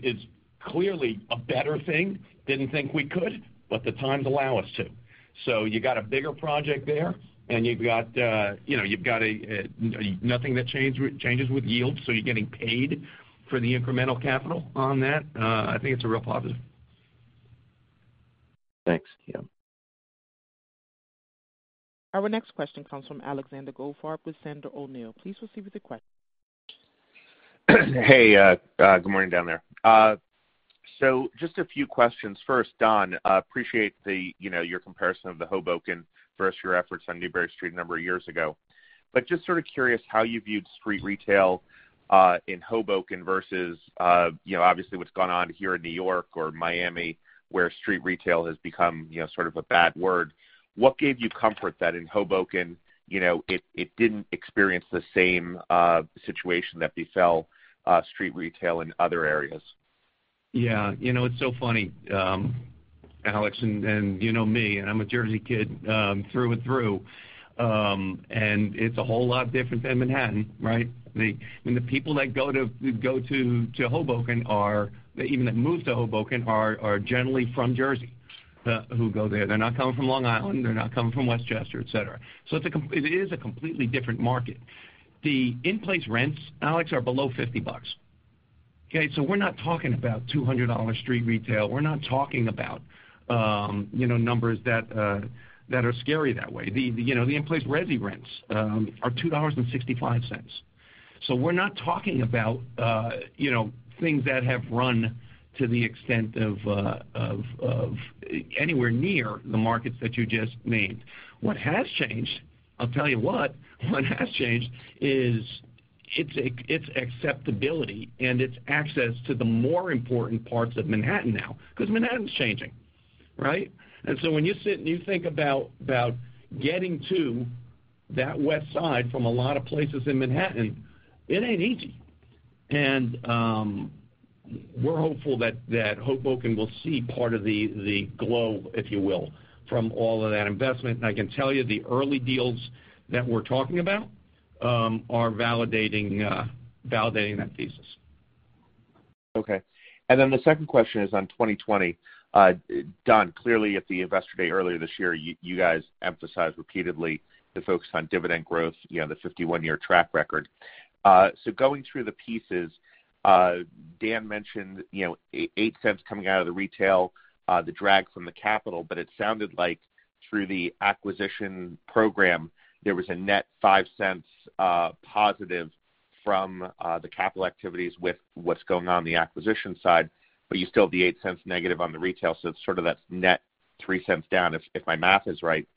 is clearly a better thing. Didn't think we could, but the times allow us to. You got a bigger project there, and you've got nothing that changes with yield, so you're getting paid for the incremental capital on that. I think it's a real positive. Thanks. Yeah. Our next question comes from Alexander Goldfarb with Sandler O'Neill. Please proceed with your question. Hey. Good morning down there. Just a few questions. First, Don, appreciate your comparison of the Hoboken versus your efforts on Newbury Street a number of years ago. Just sort of curious how you viewed street retail, in Hoboken versus, obviously what's gone on here in New York or Miami, where street retail has become sort of a bad word. What gave you comfort that in Hoboken, it didn't experience the same situation that befell street retail in other areas? Yeah. It's so funny, Alex, you know me, and I'm a Jersey kid, through and through. It's a whole lot different than Manhattan, right? I mean, the people that go to Hoboken are, even that move to Hoboken, are generally from Jersey, who go there. They're not coming from Long Island, they're not coming from Westchester, et cetera. It is a completely different market. The in-place rents, Alex, are below $50. Okay? We're not talking about $200 street retail. We're not talking about numbers that are scary that way. The in-place resi rents are $2.65. We're not talking about things that have run to the extent of anywhere near the markets that you just named. What has changed, I'll tell you what has changed is its acceptability and its access to the more important parts of Manhattan now, because Manhattan's changing, right? When you sit and you think about getting to that West Side from a lot of places in Manhattan, it ain't easy. We're hopeful that Hoboken will see part of the glow, if you will, from all of that investment. I can tell you, the early deals that we're talking about are validating that thesis. Okay. The second question is on 2020. Don, clearly at the Investor Day earlier this year, you guys emphasized repeatedly the focus on dividend growth, the 51-year track record. Going through the pieces, Dan mentioned, $0.08 coming out of the retail, the drag from the capital, but it sounded like through the acquisition program, there was a net $0.05 positive from the capital activities with what's going on in the acquisition side. You still have the $0.08 negative on the retail, it's sort of that net $0.03 down, if my math is right.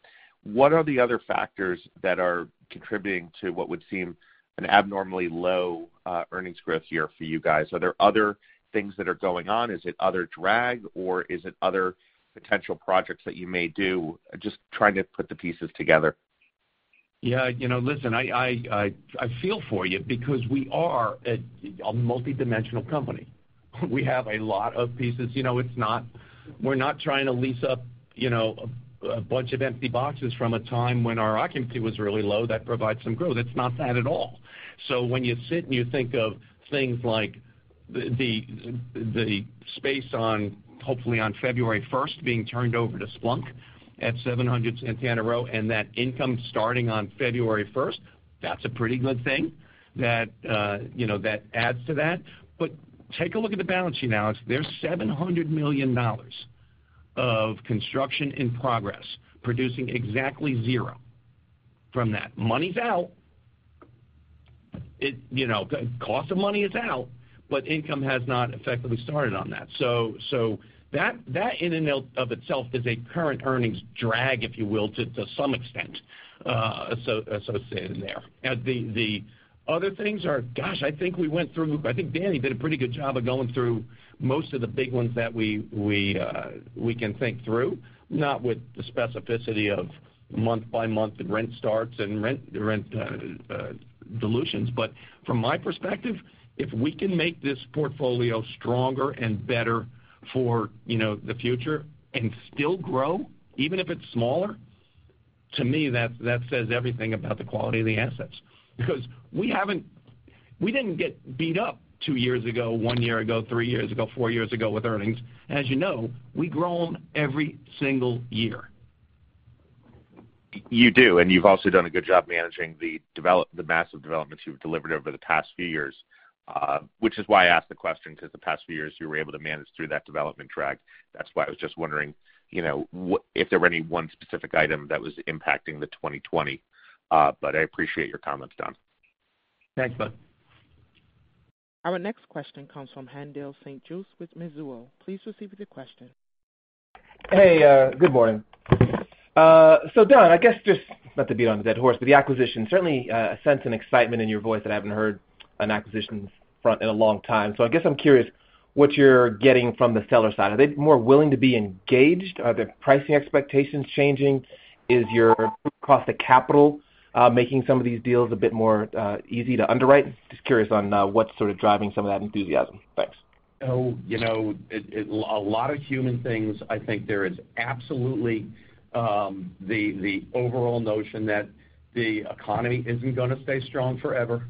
What are the other factors that are contributing to what would seem an abnormally low earnings growth year for you guys? Are there other things that are going on? Is it other drag, or is it other potential projects that you may do? Just trying to put the pieces together. Yeah. Listen, I feel for you because we are a multidimensional company. We have a lot of pieces. We're not trying to lease up a bunch of empty boxes from a time when our occupancy was really low that provides some growth. It's not that at all. When you sit and you think of things like the space on, hopefully on February 1st being turned over to Splunk at 700 Santana Row, and that income starting on February 1st, that's a pretty good thing that adds to that. Take a look at the balance sheet, Alex. There's $700 million of construction in progress producing exactly zero from that. Money's out. Cost of money is out, income has not effectively started on that. That in and of itself is a current earnings drag, if you will, to some extent associated in there. The other things are, gosh, I think Danny did a pretty good job of going through most of the big ones that we can think through, not with the specificity of month-by-month rent starts and rent dilutions. From my perspective, if we can make this portfolio stronger and better for the future and still grow, even if it's smaller, to me, that says everything about the quality of the assets. We didn't get beat up two years ago, one year ago, three years ago, four years ago with earnings. As you know, we've grown every single year. You do, and you've also done a good job managing the massive developments you've delivered over the past few years, which is why I asked the question, because the past few years, you were able to manage through that development track. That's why I was just wondering if there were any one specific item that was impacting the 2020. I appreciate your comments, Don. Thanks, bud. Our next question comes from Haendel St. Juste with Mizuho. Please proceed with your question. Hey, good morning. Don, I guess just, not to beat on the dead horse, but the acquisition, certainly a sense and excitement in your voice that I haven't heard on acquisitions front in a long time. I guess I'm curious what you're getting from the seller side. Are they more willing to be engaged? Are their pricing expectations changing? Is your cost of capital making some of these deals a bit more easy to underwrite? Just curious on what's sort of driving some of that enthusiasm. Thanks. A lot of human things. I think there is absolutely the overall notion that the economy isn't going to stay strong forever,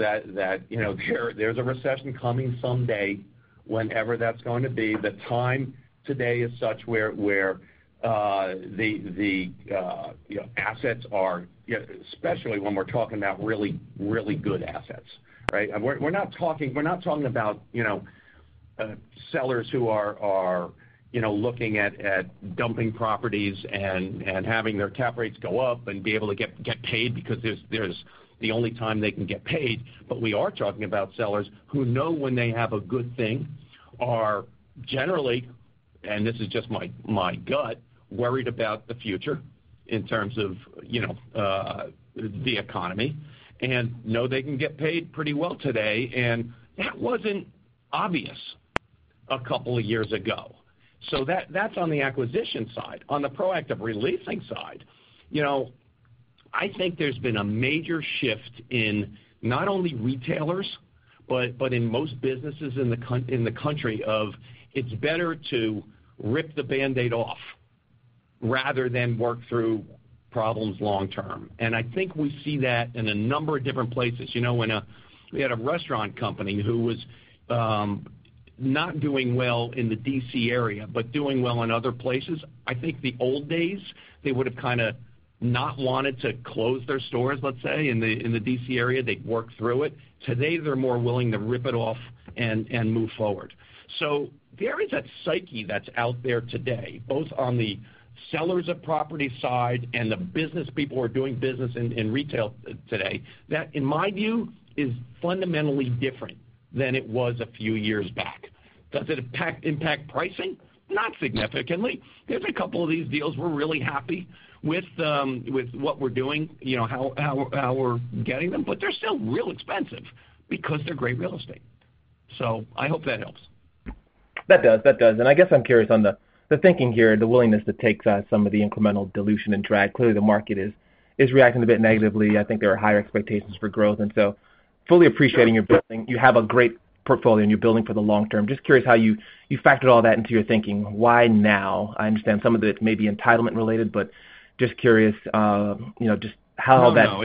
that there's a recession coming someday, whenever that's going to be. The time today is such where the assets are, especially when we're talking about really, really good assets, right? We're not talking about sellers who are looking at dumping properties and having their cap rates go up and be able to get paid because this is the only time they can get paid. We are talking about sellers who know when they have a good thing, are generally, and this is just my gut, worried about the future in terms of the economy, and know they can get paid pretty well today. That wasn't obvious a couple of years ago. That's on the acquisition side. On the proactive re-leasing side, I think there's been a major shift in not only retailers, but in most businesses in the country of it's better to rip the Band-Aid off rather than work through problems long-term. I think we see that in a number of different places. When we had a restaurant company who was not doing well in the D.C. area, but doing well in other places, I think the old days, they would've kind of not wanted to close their stores, let's say, in the D.C. area. They'd work through it. Today, they're more willing to rip it off and move forward. There is that psyche that's out there today, both on the sellers of property side and the business people who are doing business in retail today that, in my view, is fundamentally different than it was a few years back. Does it impact pricing? Not significantly. There's a couple of these deals we're really happy with what we're doing, how we're getting them, but they're still real expensive because they're great real estate. I hope that helps. That does. I guess I'm curious on the thinking here, the willingness to take some of the incremental dilution and drag. Clearly, the market is reacting a bit negatively. I think there are higher expectations for growth, fully appreciating your building. You have a great portfolio, you're building for the long term. Just curious how you factored all that into your thinking. Why now? I understand some of it may be entitlement-related, just curious of how that. No.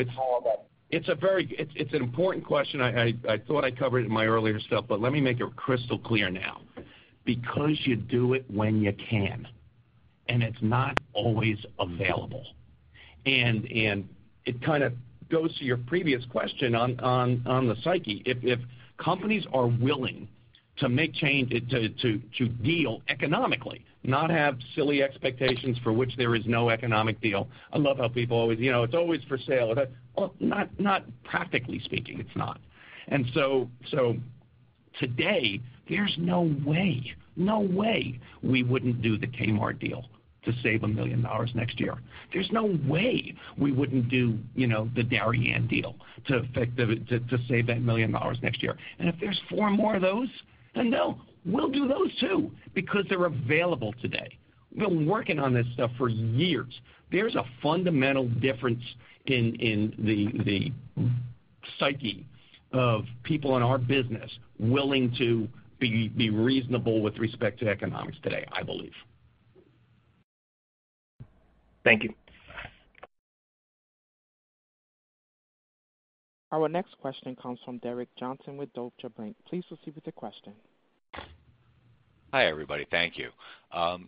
It's an important question. I thought I covered it in my earlier stuff, but let me make it crystal clear now. You do it when you can, and it's not always available. It kind of goes to your previous question on the psyche. If companies are willing to make change, to deal economically, not have silly expectations for which there is no economic deal. I love how people always, "It's always for sale." Not practically speaking, it's not. Today, there's no way we wouldn't do the Kmart deal to save $1 million next year. There's no way we wouldn't do the Darien deal to save that $1 million next year. If there's four more of those, then no, we'll do those, too, because they're available today. We've been working on this stuff for years. There's a fundamental difference in the psyche of people in our business willing to be reasonable with respect to economics today, I believe. Thank you. Our next question comes from Derek Johnston with Deutsche Bank. Please proceed with your question. Hi, everybody. Thank you.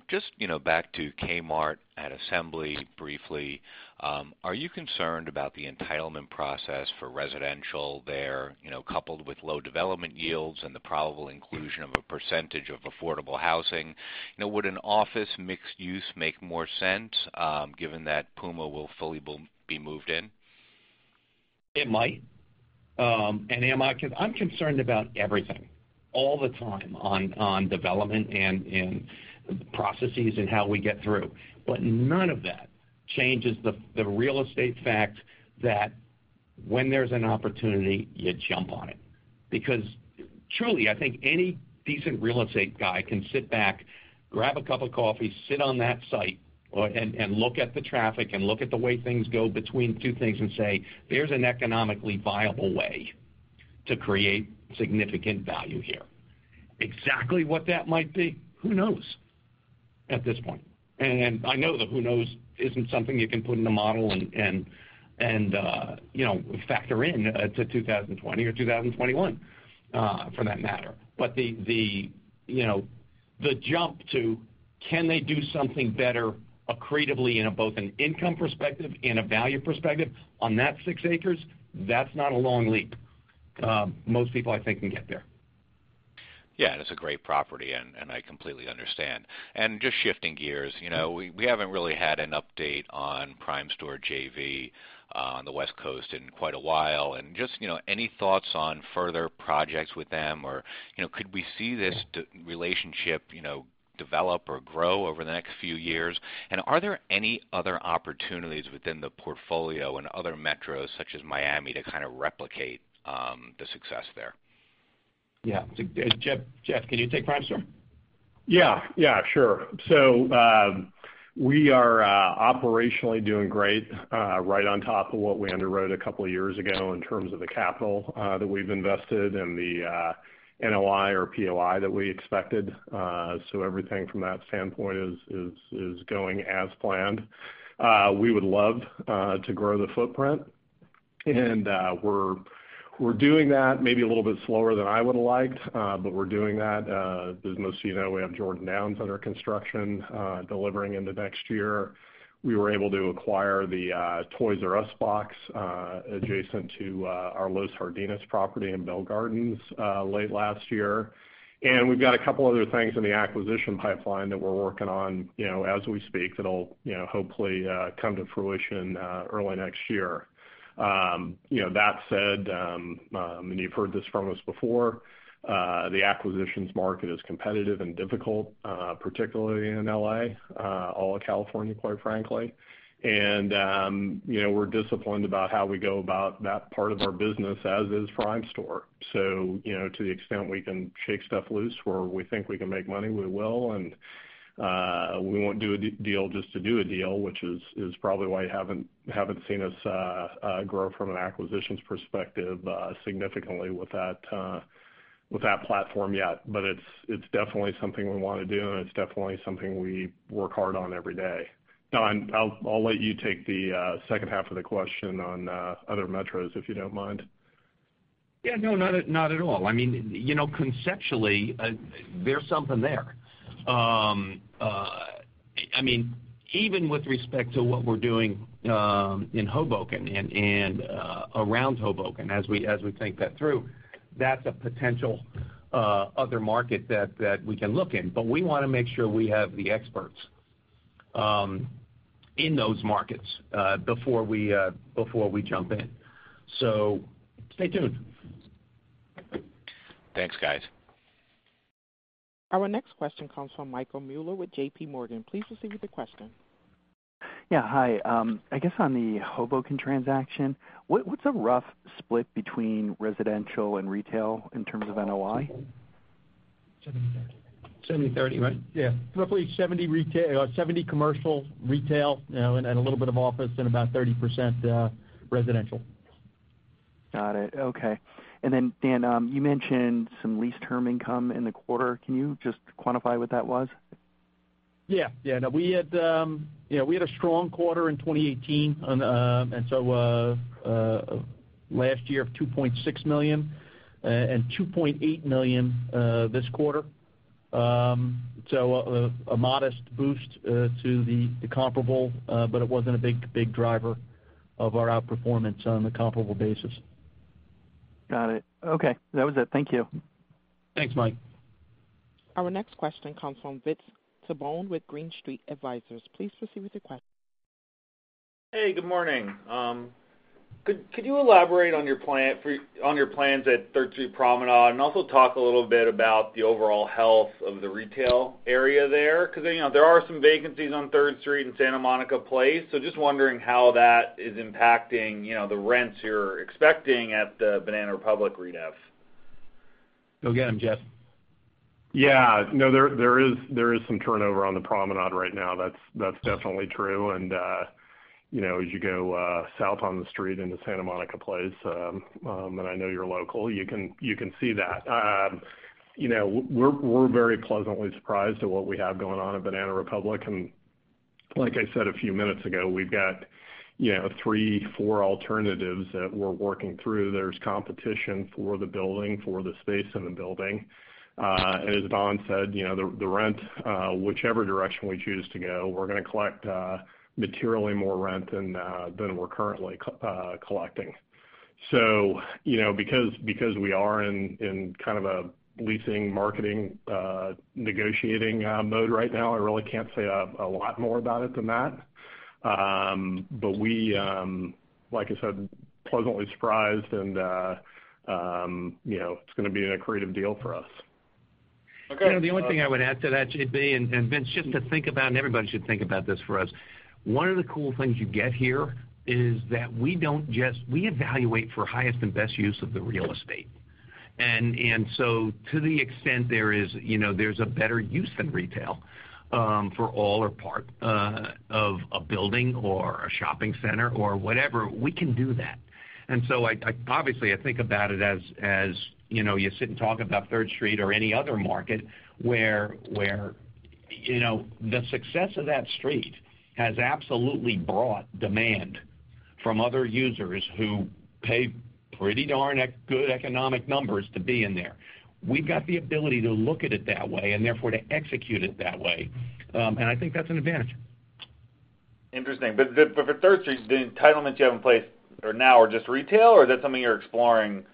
Just back to Kmart at Assembly briefly. Are you concerned about the entitlement process for residential there, coupled with low development yields and the probable inclusion of a percentage of affordable housing? Would an office mixed use make more sense, given that Puma will fully be moved in? It might. I'm concerned about everything, all the time, on development and processes and how we get through. None of that changes the real estate fact that when there's an opportunity, you jump on it. Truly, I think any decent real estate guy can sit back, grab a cup of coffee, sit on that site, and look at the traffic and look at the way things go between two things and say, "There's an economically viable way to create significant value here." Exactly what that might be, who knows at this point? I know that who knows isn't something you can put in a model and factor in to 2020 or 2021, for that matter. The jump to can they do something better accretively in both an income perspective and a value perspective on that six acres, that's not a long leap. Most people, I think, can get there. Yeah. It's a great property, and I completely understand. Just shifting gears. We haven't really had an update on Primestor JV on the West Coast in quite a while, just any thoughts on further projects with them, or could we see this relationship develop or grow over the next few years? Are there any other opportunities within the portfolio in other metros, such as Miami, to kind of replicate the success there? Yeah. Jeff, can you take Primestor? Yeah. Sure. We are operationally doing great, right on top of what we underwrote a couple of years ago in terms of the capital that we've invested and the NOI or POI that we expected. Everything from that standpoint is going as planned. We would love to grow the footprint, and we're doing that maybe a little bit slower than I would've liked, but we're doing that. As most of you know, we have Jordan Downs under construction, delivering into next year. We were able to acquire the Toys R Us box adjacent to our Los Jardines property in Bell Gardens late last year. We've got a couple other things in the acquisition pipeline that we're working on as we speak, that'll hopefully come to fruition early next year. That said, and you've heard this from us before, the acquisitions market is competitive and difficult, particularly in L.A., all of California, quite frankly. We're disciplined about how we go about that part of our business, as is Primestor. To the extent we can shake stuff loose where we think we can make money, we will, and we won't do a deal just to do a deal, which is probably why you haven't seen us grow from an acquisitions perspective, significantly with that platform yet. It's definitely something we want to do, and it's definitely something we work hard on every day. Don, I'll let you take the second half of the question on other metros, if you don't mind. Yeah. No, not at all. Conceptually, there's something there. Even with respect to what we're doing in Hoboken and around Hoboken, as we think that through, that's a potential other market that we can look in. We want to make sure we have the experts in those markets before we jump in. Stay tuned. Thanks, guys. Our next question comes from Michael Mueller with JPMorgan. Please proceed with your question. Yeah. Hi. I guess on the Hoboken transaction, what's a rough split between residential and retail in terms of NOI? 70/30. 70/30, right? Yeah. Roughly 70 commercial retail, and a little bit of office, and about 30% residential. Got it. Okay. Dan, you mentioned some lease term income in the quarter. Can you just quantify what that was? Yeah. No, we had a strong quarter in 2018. Last year of $2.6 million, and $2.8 million this quarter. A modest boost to the comparable, but it wasn't a big driver of our outperformance on the comparable basis. Got it. Okay. That was it. Thank you. Thanks, Mike. Our next question comes from Vince Tibone with Green Street Advisors. Please proceed with your question. Hey, good morning. Could you elaborate on your plans at Third Street Promenade, and also talk a little bit about the overall health of the retail area there? There are some vacancies on Third Street and Santa Monica Place, so just wondering how that is impacting the rents you're expecting at the Banana Republic redev. Go get them, Jeff. Yeah. No, there is some turnover on the promenade right now, that's definitely true. As you go south on the street into Santa Monica Place, and I know you're local, you can see that. We're very pleasantly surprised at what we have going on at Banana Republic, and like I said a few minutes ago, we've got three, four alternatives that we're working through. There's competition for the building, for the space in the building. As Don said, the rent, whichever direction we choose to go, we're going to collect materially more rent than we're currently collecting. Because we are in kind of a leasing, marketing, negotiating mode right now, I really can't say a lot more about it than that. We, like I said, pleasantly surprised and it's going to be an accretive deal for us. Okay. The only thing I would add to that, JB, and Vince, just to think about, and everybody should think about this for us, one of the cool things you get here is that we evaluate for highest and best use of the real estate. To the extent there's a better use than retail for all or part of a building or a shopping center or whatever, we can do that. Obviously, I think about it as you sit and talk about Third Street or any other market where the success of that street has absolutely brought demand from other users who pay pretty darn good economic numbers to be in there. We've got the ability to look at it that way and therefore to execute it that way. I think that's an advantage. Interesting. For Third Street, the entitlements you have in place are now just retail or is that something you're exploring,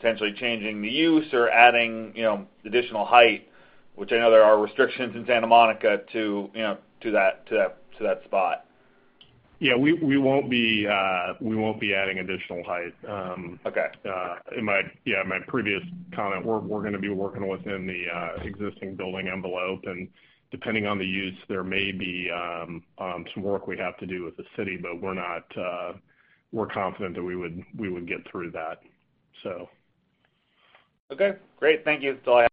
potentially changing the use or adding additional height, which I know there are restrictions in Santa Monica to that spot? Yeah, we won't be adding additional height. Okay. In my previous comment, we're going to be working within the existing building envelope, and depending on the use, there may be some work we have to do with the city, but we're confident that we would get through that. Okay, great. Thank you. That's all I have.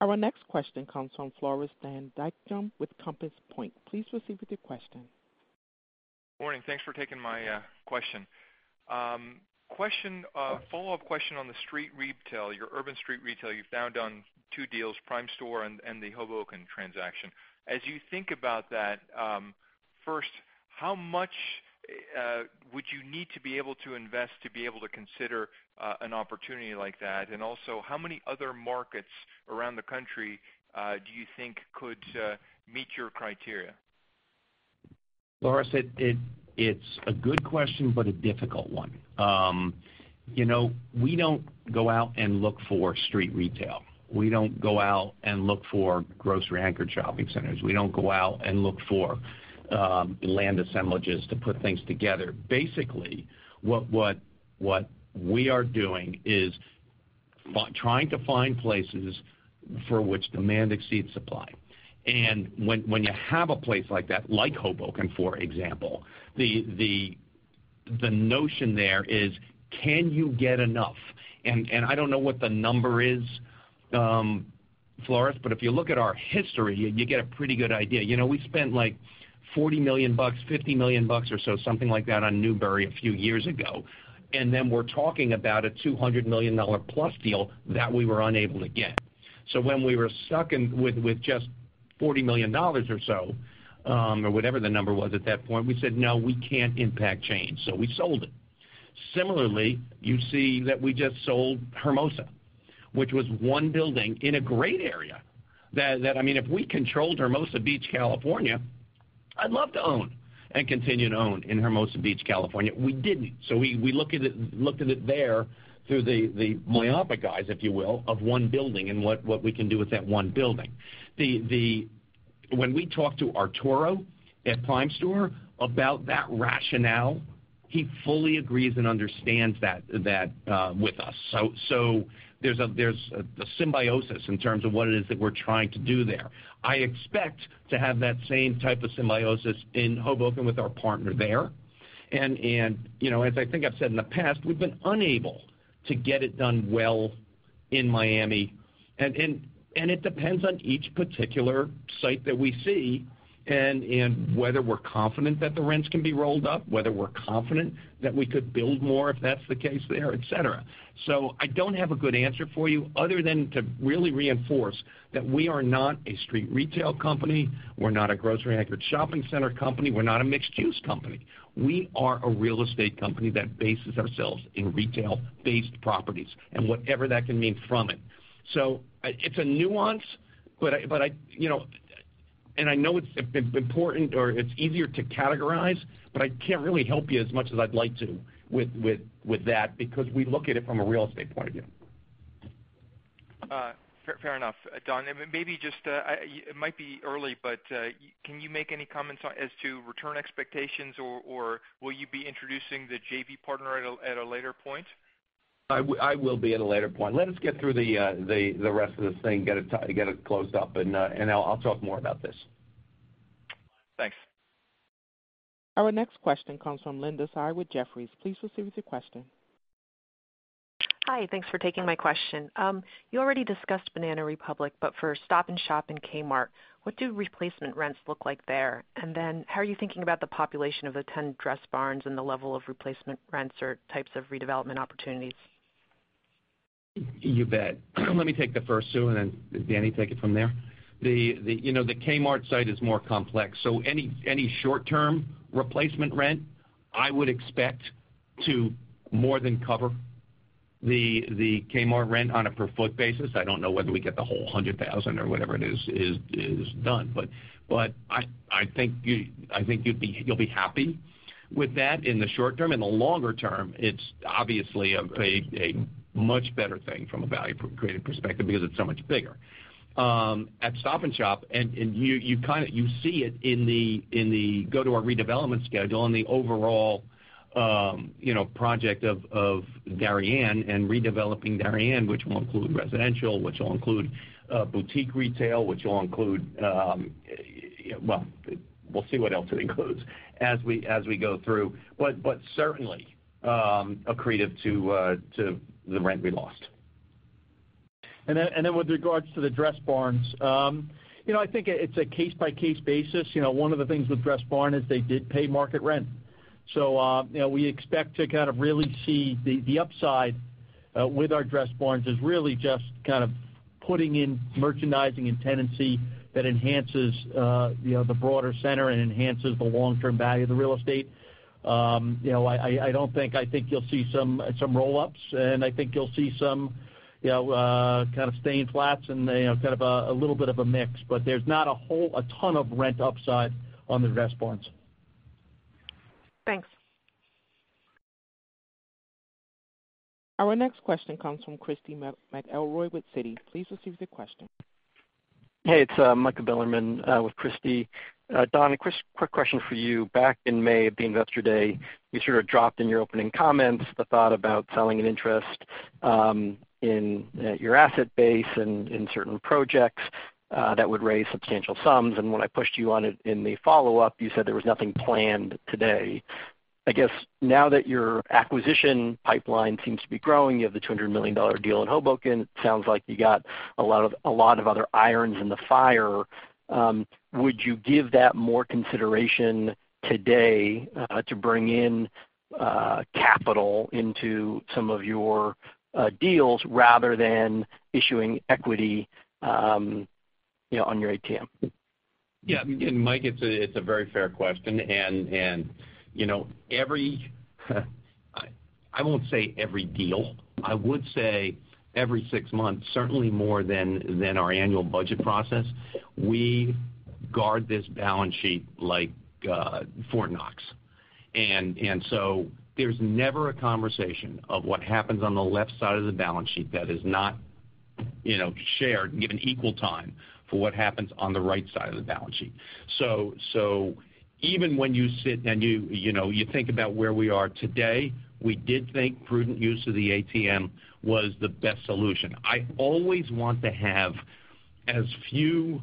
Our next question comes from Floris Van Dijkum with Compass Point. Please proceed with your question. Morning. Thanks for taking my question. Follow-up question on the street retail, your urban street retail. You've found two deals, Primestor and the Hoboken transaction. As you think about that, first, how much would you need to be able to invest to be able to consider an opportunity like that? Also, how many other markets around the country do you think could meet your criteria? Floris, it's a good question, but a difficult one. We don't go out and look for street retail. We don't go out and look for grocery-anchored shopping centers. We don't go out and look for land assemblages to put things together. Basically, what we are doing is trying to find places for which demand exceeds supply. When you have a place like that, like Hoboken, for example, the notion there is can you get enough? I don't know what the number is, Floris, but if you look at our history, you get a pretty good idea. We spent like $40 million, $50 million or so, something like that on Newbury a few years ago. We're talking about a $200 million-plus deal that we were unable to get. When we were stuck with just $40 million or so, or whatever the number was at that point, we said, "No, we can't impact change." We sold it. Similarly, you see that we just sold Hermosa, which was one building in a great area. If we controlled Hermosa Beach, California, I'd love to own and continue to own in Hermosa Beach, California. We didn't. We looked at it there through the myopic eyes, if you will, of one building and what we can do with that one building. When we talked to Arturo at Primestor about that rationale, he fully agrees and understands that with us. There's a symbiosis in terms of what it is that we're trying to do there. I expect to have that same type of symbiosis in Hoboken with our partner there. As I think I've said in the past, we've been unable to get it done well in Miami. It depends on each particular site that we see and whether we're confident that the rents can be rolled up, whether we're confident that we could build more if that's the case there, et cetera. I don't have a good answer for you other than to really reinforce that we are not a street retail company. We're not a grocery-anchored shopping center company. We're not a mixed-use company. We are a real estate company that bases ourselves in retail-based properties and whatever that can mean from it. It's a nuance, and I know it's important or it's easier to categorize, but I can't really help you as much as I'd like to with that because we look at it from a real estate point of view. Fair enough. Don, it might be early, but can you make any comments as to return expectations, or will you be introducing the JV partner at a later point? I will be at a later point. Let us get through the rest of this thing, get it closed up, and I'll talk more about this. Thanks. Our next question comes from Linda Tsai with Jefferies. Please proceed with your question. Hi. Thanks for taking my question. You already discussed Banana Republic, for Stop & Shop and Kmart, what do replacement rents look like there? How are you thinking about the population of the 10 Dressbarns and the level of replacement rents or types of redevelopment opportunities? You bet. Let me take the first two, and then Danny, take it from there. The Kmart site is more complex. Any short-term replacement rent, I would expect to more than cover the Kmart rent on a per foot basis. I don't know whether we get the whole 100,000 or whatever it is done. I think you'll be happy with that in the short term. In the longer term, it's obviously a much better thing from a value creative perspective because it's so much bigger. At Stop & Shop, and you see it in the go-to our redevelopment schedule and the overall project of Darien and redeveloping Darien, which will include residential, which will include boutique retail, which will include well, we'll see what else it includes as we go through. Certainly, accretive to the rent we lost. With regards to the Dressbarns, I think it's a case-by-case basis. One of the things with Dressbarn is they did pay market rent. We expect to kind of really see the upside with our Dressbarns is really just kind of putting in merchandising and tenancy that enhances the broader center and enhances the long-term value of the real estate. I think you'll see some roll-ups, and I think you'll see some kind of staying flats and kind of a little bit of a mix. There's not a ton of rent upside on the Dressbarns. Thanks. Our next question comes from Christy McElroy with Citi. Please proceed with your question. Hey, it's Michael Mueller with Christy. Don, quick question for you. Back in May at the Investor Day, you sort of dropped in your opening comments the thought about selling an interest in your asset base and in certain projects that would raise substantial sums. When I pushed you on it in the follow-up, you said there was nothing planned today. I guess now that your acquisition pipeline seems to be growing, you have the $200 million deal in Hoboken. It sounds like you got a lot of other irons in the fire. Would you give that more consideration today to bring in capital into some of your deals rather than issuing equity on your ATM? Mike, it's a very fair question. Every-- I won't say every deal. I would say every six months, certainly more than our annual budget process. We guard this balance sheet like Fort Knox. There's never a conversation of what happens on the left side of the balance sheet that is not shared and given equal time for what happens on the right side of the balance sheet. Even when you sit and you think about where we are today, we did think prudent use of the ATM was the best solution. I always want to have as few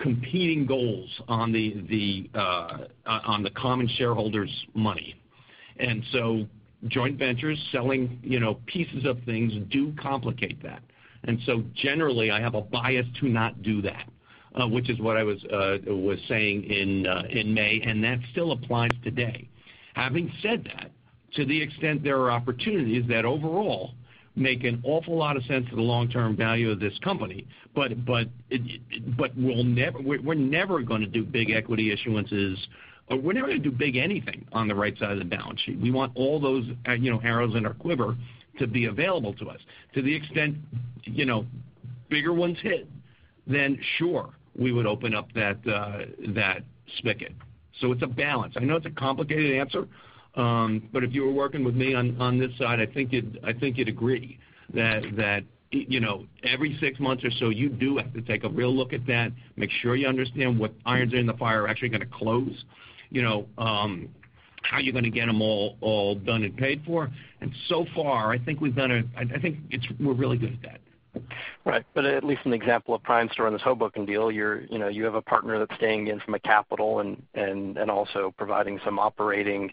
competing goals on the common shareholders' money. Joint ventures, selling pieces of things do complicate that. Generally, I have a bias to not do that, which is what I was saying in May, and that still applies today. Having said that, to the extent there are opportunities that overall make an awful lot of sense for the long-term value of this company, but we're never going to do big equity issuances, or we're never going to do big anything on the right side of the balance sheet. We want all those arrows in our quiver to be available to us. To the extent bigger ones hit, then sure, we would open up that spigot. It's a balance. I know it's a complicated answer, but if you were working with me on this side, I think you'd agree that every six months or so, you do have to take a real look at that, make sure you understand what irons are in the fire are actually going to close, how you're going to get them all done and paid for. So far, I think we're really good at that. Right. At least in the example of Primestor on this Hoboken deal, you have a partner that's staying in from a capital and also providing some operating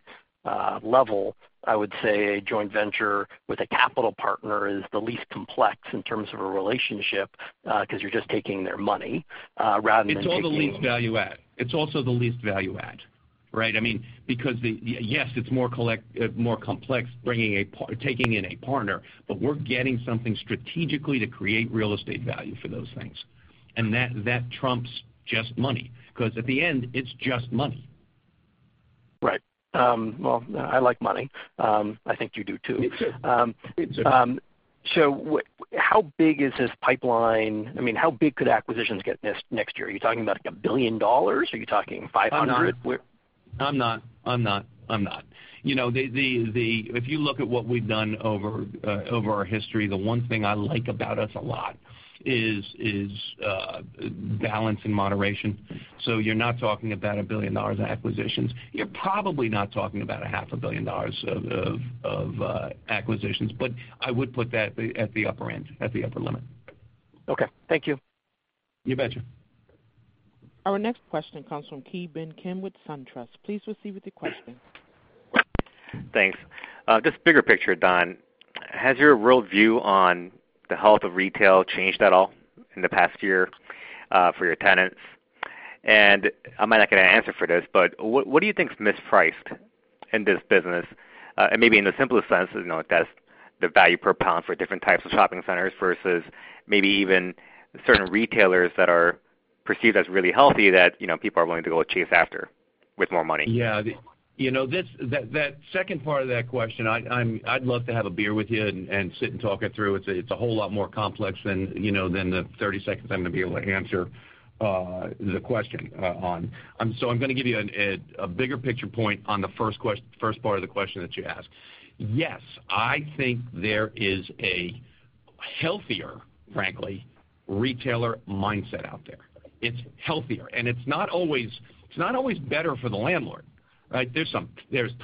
level. I would say a joint venture with a capital partner is the least complex in terms of a relationship, because you're just taking their money rather than taking. It's also the least value add, right? Yes, it's more complex taking in a partner, but we're getting something strategically to create real estate value for those things. That trumps just money, because at the end, it's just money. Right. Well, I like money. I think you do, too. Me too. How big is this pipeline? How big could acquisitions get next year? Are you talking about $1 billion? Are you talking $500? I'm not. If you look at what we've done over our history, the one thing I like about us a lot is balance and moderation. You're not talking about $1 billion in acquisitions. You're probably not talking about a half a billion dollars of acquisitions, but I would put that at the upper end, at the upper limit. Okay. Thank you. You betcha. Our next question comes from Ki Bin Kim with SunTrust. Please proceed with your question. Thanks. Just bigger picture, Don, has your worldview on the health of retail changed at all in the past year for your tenants? I might not get an answer for this, but what do you think is mispriced in this business? Maybe in the simplest sense, that's the value per pound for different types of shopping centers versus maybe even certain retailers that are perceived as really healthy, that people are willing to go chase after with more money. That second part of that question, I'd love to have a beer with you and sit and talk it through. It's a whole lot more complex than the 30 seconds I'm going to be able to answer the question on. I'm going to give you a bigger picture point on the first part of the question that you asked. I think there is a healthier, frankly, retailer mindset out there. It's healthier, it's not always better for the landlord, right? There's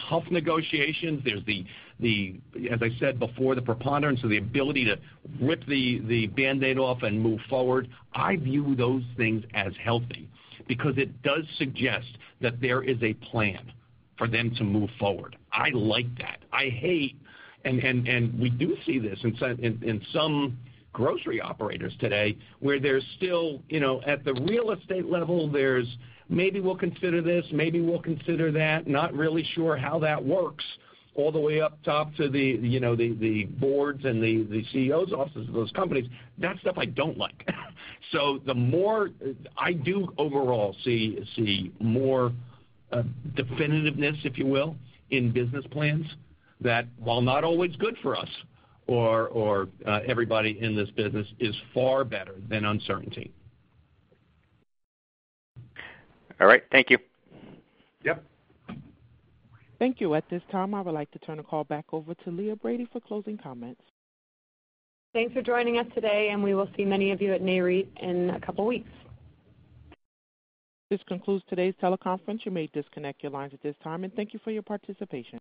tough negotiations. There's the, as I said before, the preponderance of the ability to rip the Band-Aid off and move forward. I view those things as healthy because it does suggest that there is a plan for them to move forward. I like that. I hate, and we do see this in some grocery operators today, where there's still at the real estate level, there's, "Maybe we'll consider this. Maybe we'll consider that. Not really sure how that works," all the way up top to the boards and the CEOs offices of those companies. That stuff I don't like. The more I do overall see more definitiveness, if you will, in business plans, that while not always good for us or everybody in this business, is far better than uncertainty. All right. Thank you. Yep. Thank you. At this time, I would like to turn the call back over to Leah Brady for closing comments. Thanks for joining us today, and we will see many of you at NAREIT in a couple of weeks. This concludes today's teleconference. You may disconnect your lines at this time, and thank you for your participation.